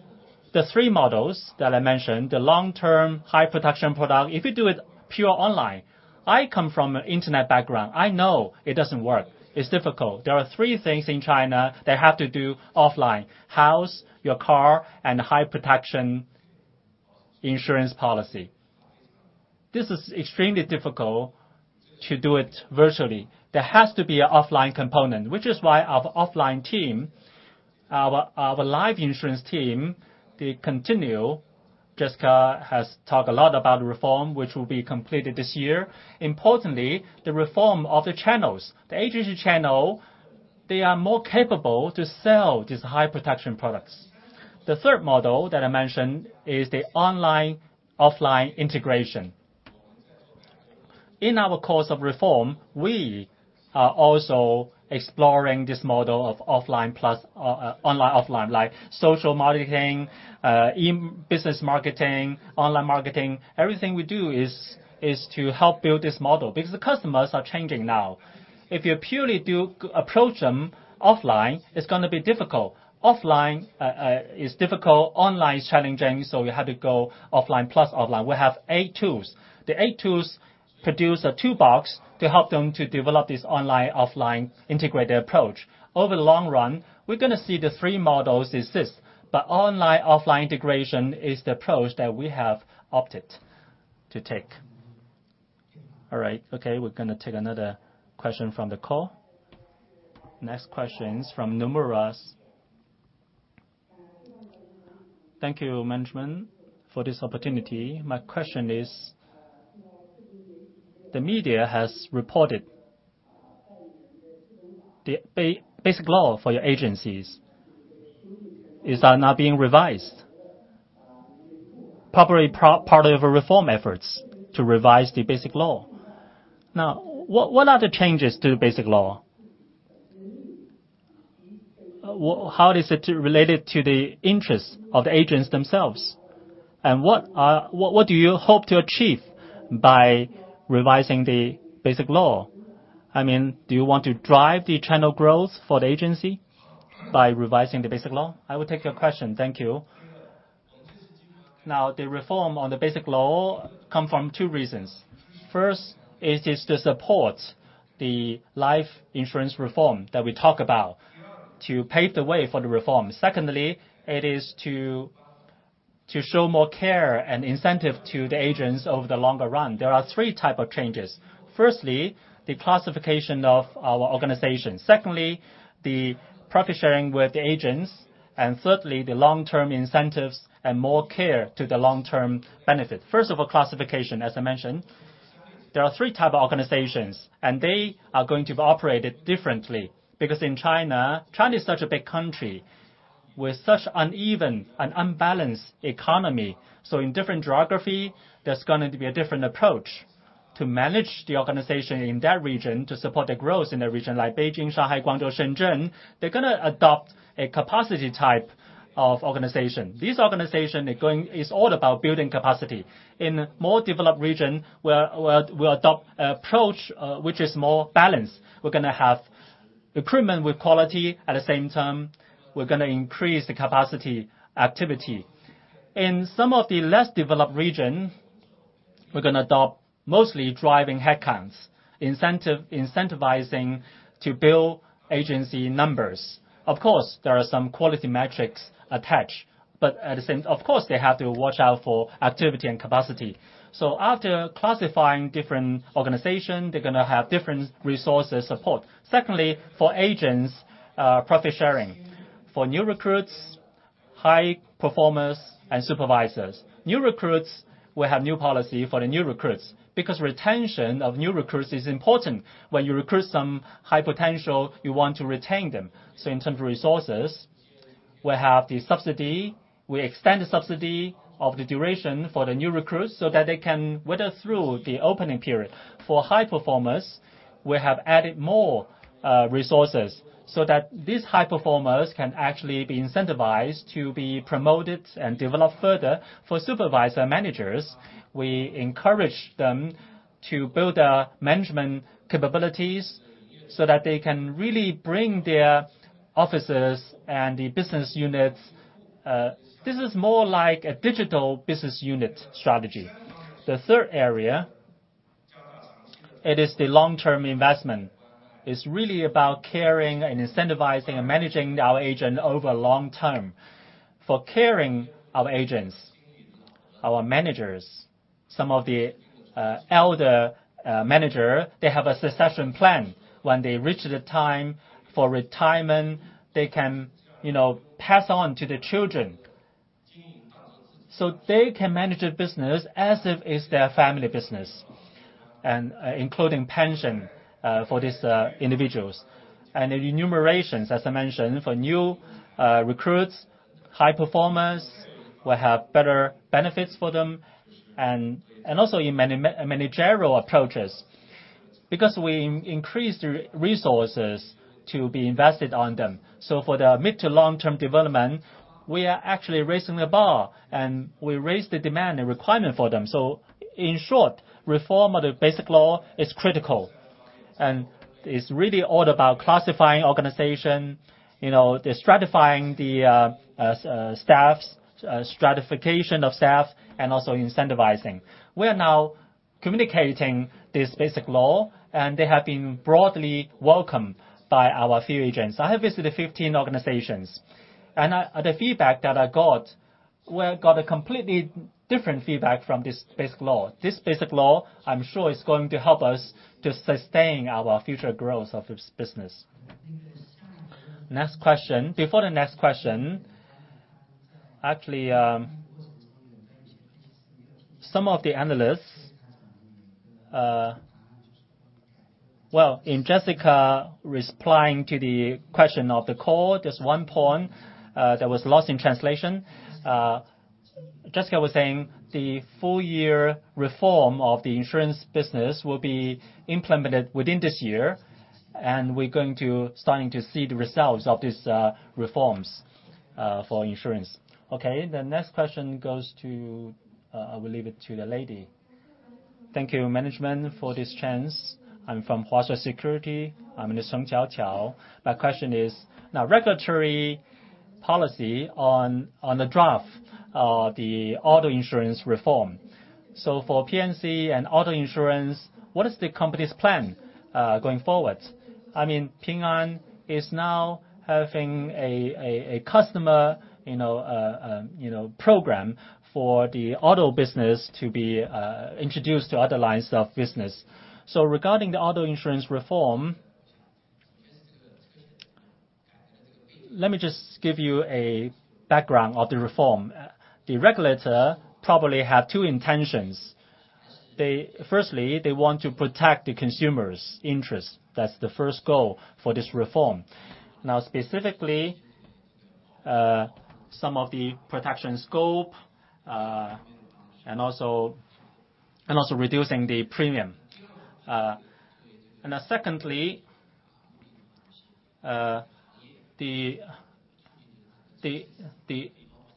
C: the three models that I mentioned, the long-term, high protection product, if you do it pure online, I come from an internet background, I know it doesn't work. It's difficult. There are three things in China that have to do offline: house, your car, and high protection insurance policy. This is extremely difficult to do it virtually. There has to be an offline component, which is why our offline team, our, our life insurance team, they continue. Jessica has talked a lot about the reform, which will be completed this year. Importantly, the reform of the channels. The agency channel, they are more capable to sell these high protection products. The third model that I mentioned is the online, offline integration. In our course of reform, we are also exploring this model of offline plus online, offline, like social marketing, e-business marketing, online marketing. Everything we do is to help build this model, because the customers are changing now. If you purely approach them offline, it's gonna be difficult. Offline is difficult, online is challenging, so you have to go offline plus online. We have eight tools. The eight tools produce a toolbox to help them to develop this online, offline integrated approach. Over the long run, we're gonna see the three models exist, but online, offline integration is the approach that we have opted to take.
A: All right. Okay, we're gonna take another question from the call. Next question is from Nomura. Thank you, management, for this opportunity. My question is, the media has reported the Basic Law for your agencies is now being revised, probably part of your reform efforts to revise the Basic Law. Now, what are the changes to the Basic Law? What... How is it related to the interests of the agents themselves? And what do you hope to achieve by revising the Basic Law? I mean, do you want to drive the channel growth for the agency by revising the Basic Law?
D: I will take your question. Thank you. Now, the reform on the Basic Law come from two reasons. First, it is to support the life insurance reform that we talk about, to pave the way for the reform. Secondly, it is to show more care and incentive to the agents over the longer run. There are three type of changes. Firstly, the classification of our organization. Secondly, the profit sharing with the agents. Thirdly, the long-term incentives and more care to the long-term benefit. First of all, classification, as I mentioned, there are three type of organizations, and they are going to be operated differently, because in China, China is such a big country with such uneven and unbalanced economy. So in different geography, there's going to be a different approach to manage the organization in that region, to support the growth in the region. Like Beijing, Shanghai, Guangzhou, Shenzhen, they're gonna adopt a capacity type of organization. This organization is all about building capacity. In more developed region, we adopt a approach, which is more balanced. We're gonna have recruitment with quality, at the same time, we're gonna increase the capacity activity. In some of the less developed region, we're gonna adopt mostly driving headcounts, incentivizing to build agency numbers. Of course, there are some quality metrics attached, but at the same... Of course, they have to watch out for activity and capacity. So after classifying different organization, they're gonna have different resources support. Secondly, for agents, profit sharing. For new recruits, high performers and supervisors. New recruits will have new policy for the new recruits, because retention of new recruits is important. When you recruit some high potential, you want to retain them. So in terms of resources, we have the subsidy, we extend the subsidy of the duration for the new recruits, so that they can weather through the opening period. For high performers, we have added more, resources, so that these high performers can actually be incentivized to be promoted and developed further. For supervisor managers, we encourage them to build their management capabilities, so that they can really bring their offices and the business units. This is more like a digital business unit strategy. The third area, it is the long-term investment. It's really about caring and incentivizing and managing our agent over a long term. For caring our agents, our managers, some of the, elder, manager, they have a succession plan. When they reach the time for retirement, they can, you know, pass on to their children. So they can manage their business as if it's their family business, and, including pension, for these, individuals. And the enumerations, as I mentioned, for new, recruits, high performers will have better benefits for them, and, and also in managerial approaches. Because we increased the resources to be invested on them. So for the mid to long-term development, we are actually raising the bar, and we raised the demand and requirement for them. So in short, reform of the basic law is critical, and it's really all about classifying organization, you know, the stratifying the, staffs, stratification of staff, and also incentivizing. We are now communicating this basic law, and they have been broadly welcomed by our field agents. I have visited 15 organizations, and I—the feedback that I got, we got a completely different feedback from this basic law. This basic law, I'm sure, is going to help us to sustain our future growth of this business. Next question. Before the next question, actually, some of the analysts... Well, in Jessica replying to the question of the call, there's one point, that was lost in translation. Jessica was saying the full year reform of the insurance business will be implemented within this year, and we're going to starting to see the results of these reforms for insurance.
A: Okay, the next question goes to, I will leave it to the lady.
G: Thank you, management, for this chance. I'm from Huaxi Securities. I'm Uncertain. My question is, now, regulatory policy on the draft of the auto insurance reform. So for P&C and auto insurance, what is the company's plan going forward?
D: I mean, Ping An is now having a customer, you know, program for the auto business to be introduced to other lines of business. So regarding the auto insurance reform, let me just give you a background of the reform. The regulator probably have two intentions. Firstly, they want to protect the consumers' interest. That's the first goal for this reform. Now, specifically, some of the protection scope, and also reducing the premium. And secondly,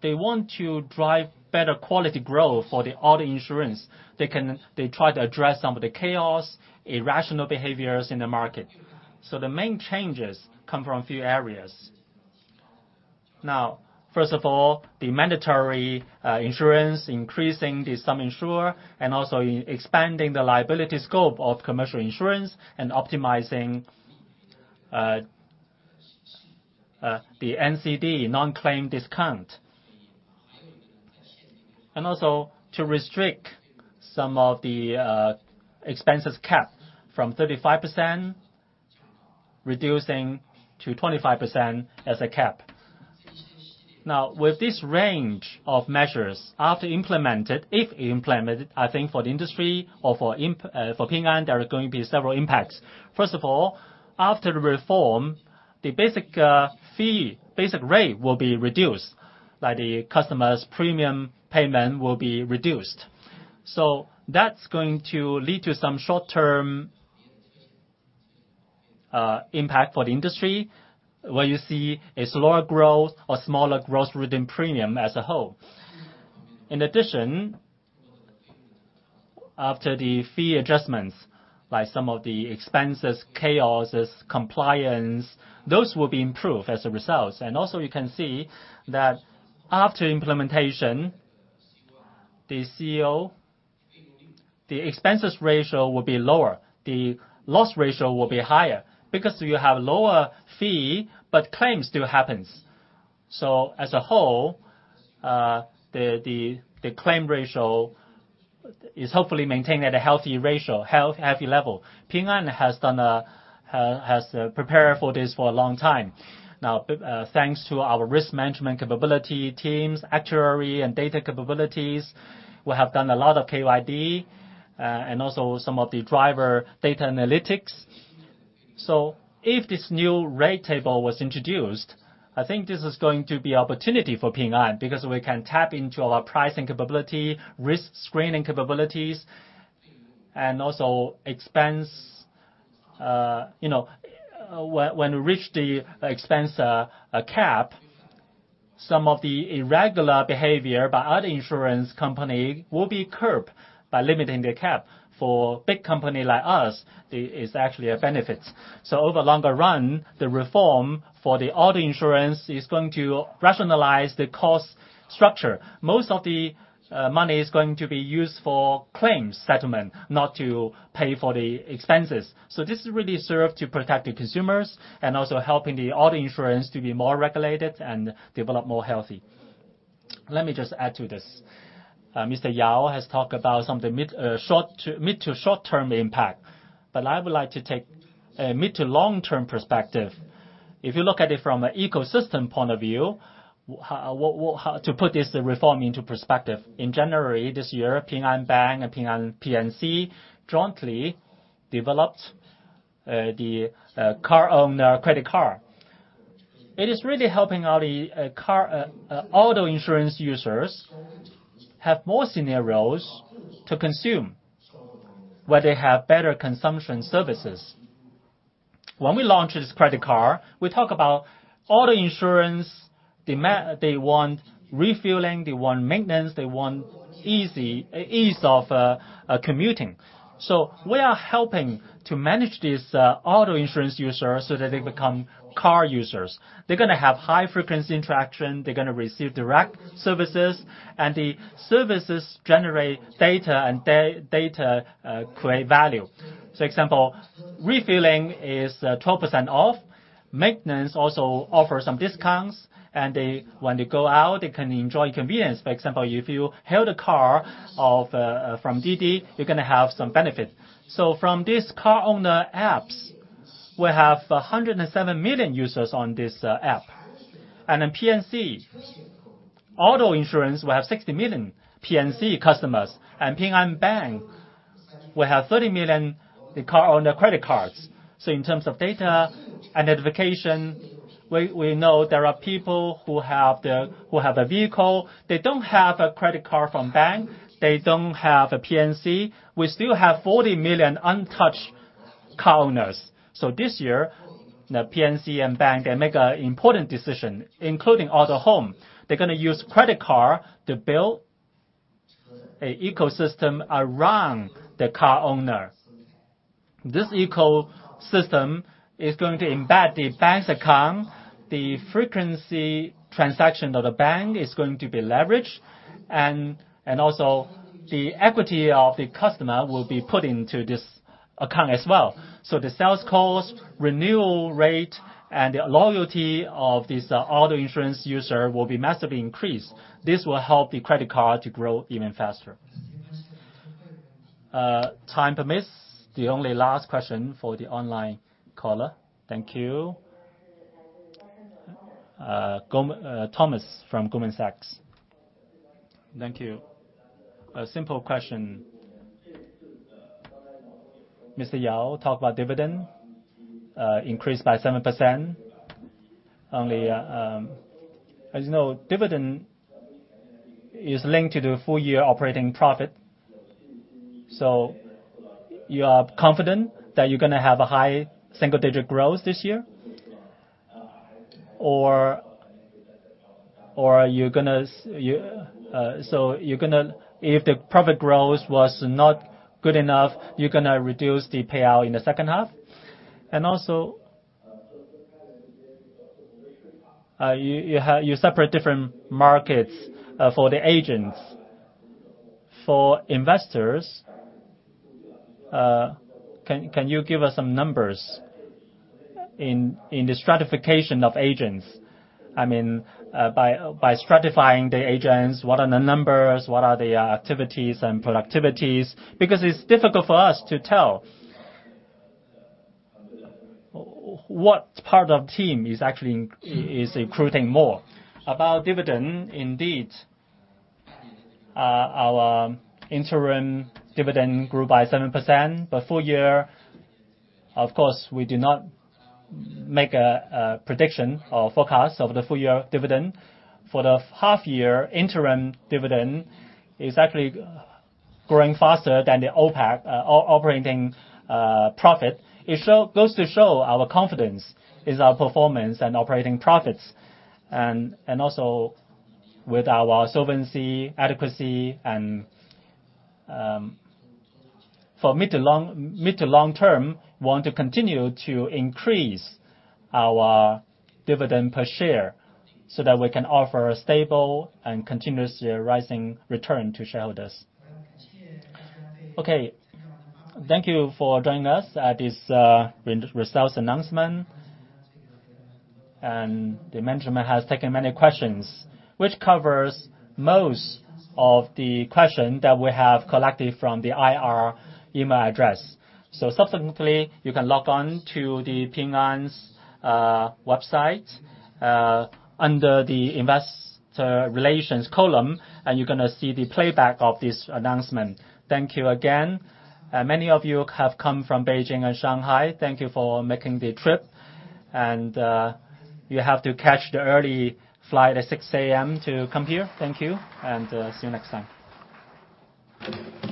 D: they want to drive better quality growth for the auto insurance. They try to address some of the chaos, irrational behaviors in the market. So the main changes come from a few areas. Now, first of all, the mandatory insurance, increasing the sum insured, and also expanding the liability scope of commercial insurance and optimizing the NCD, no-claim discount. And also to restrict some of the expenses cap from 35%, reducing to 25% as a cap. Now, with this range of measures, after implemented, if implemented, I think for the industry or for Ping An, there are going to be several impacts. First of all, after the reform, the basic fee, basic rate will be reduced by the customer's premium payment will be reduced. So that's going to lead to some short-term impact for the industry, where you see a slower growth or smaller growth within premium as a whole. In addition, after the fee adjustments, by some of the expenses, costs, compliance, those will be improved as a result. And also, you can see that after implementation, the expense ratio will be lower, the loss ratio will be higher because you have lower fee, but claims still happens. So as a whole, the claim ratio is hopefully maintained at a healthy level. Ping An has prepared for this for a long time. Now, thanks to our risk management capability, teams, actuary, and data capabilities, we have done a lot of KYD, and also some of the driver data analytics. So if this new rate table was introduced, I think this is going to be opportunity for Ping An, because we can tap into our pricing capability, risk screening capabilities, and also expense, you know, when we reach the expense cap, some of the irregular behavior by other insurance company will be curbed by limiting the cap. For big company like us, is actually a benefit. So over longer run, the reform for the auto insurance is going to rationalize the cost structure. Most of the money is going to be used for claims settlement, not to pay for the expenses. So this really serve to protect the consumers and also helping the auto insurance to be more regulated and develop more healthy. Let me just add to this. Mr. Yao has talked about some of the mid, short-term, mid to short-term impact, but I would like to take a mid to long-term perspective. If you look at it from an ecosystem point of view, how to put this reform into perspective. In January this year, Ping An Bank and Ping An P&C jointly developed the car owner credit card. It is really helping out the auto insurance users have more scenarios to consume, where they have better consumption services. When we launched this credit card, we talk about auto insurance demand. They want refueling, they want maintenance, they want ease of commuting. So we are helping to manage these auto insurance users so that they become car users. They're gonna have high-frequency interaction, they're gonna receive direct services, and the services generate data, and data create value. So example, refueling is 12% off. Maintenance also offers some discounts, and they—when they go out, they can enjoy convenience. For example, if you hail the car from Didi, you're gonna have some benefits. So from these car owner apps, we have 107 million users on this app. And in P&C auto insurance, we have 60 million P&C customers, and Ping An Bank, we have 30 million car owner credit cards. So in terms of data and identification, we know there are people who have a vehicle. They don't have a credit card from bank. They don't have a P&C. We still have 40 million untouched car owners. So this year, the P&C and bank, they make a important decision, including Autohome. They're gonna use credit card to build a ecosystem around the car owner. This ecosystem is going to embed the bank's account, the frequency transaction of the bank is going to be leveraged, and also, the equity of the customer will be put into this account as well. So the sales cost, renewal rate, and the loyalty of this auto insurance user will be massively increased. This will help the credit card to grow even faster.
A: Time permits, the only last question for the online caller. Thank you. Thomas from Goldman Sachs.
H: Thank you. A simple question. Mr. Yao talked about dividend increased by 7%. Only, as you know, dividend is linked to the full year operating profit, so you are confident that you're gonna have a high single-digit growth this year? Or, if the profit growth was not good enough, you're gonna reduce the payout in the second half? And also, you separate different markets for the agents. For investors, can you give us some numbers in the stratification of agents? I mean, by stratifying the agents, what are the numbers? What are the activities and productivities? Because it's difficult for us to tell what part of team is actually recruiting more.
D: About dividend, indeed, our interim dividend grew by 7%. But full year, of course, we did not make a prediction or forecast of the full year dividend. For the half year, interim dividend is actually growing faster than the OPAT, operating profit. It goes to show our confidence in our performance and operating profits, and also with our solvency, adequacy, and. For mid to long term, we want to continue to increase our dividend per share, so that we can offer a stable and continuously rising return to shareholders.
A: Okay, thank you for joining us at this results announcement. And the management has taken many questions, which covers most of the question that we have collected from the IR email address. So subsequently, you can log on to the Ping An's website under the investor relations column, and you're gonna see the playback of this announcement. Thank you again. Many of you have come from Beijing and Shanghai. Thank you for making the trip. And you have to catch the early flight at 6:00 A.M. to come here. Thank you, and see you next time.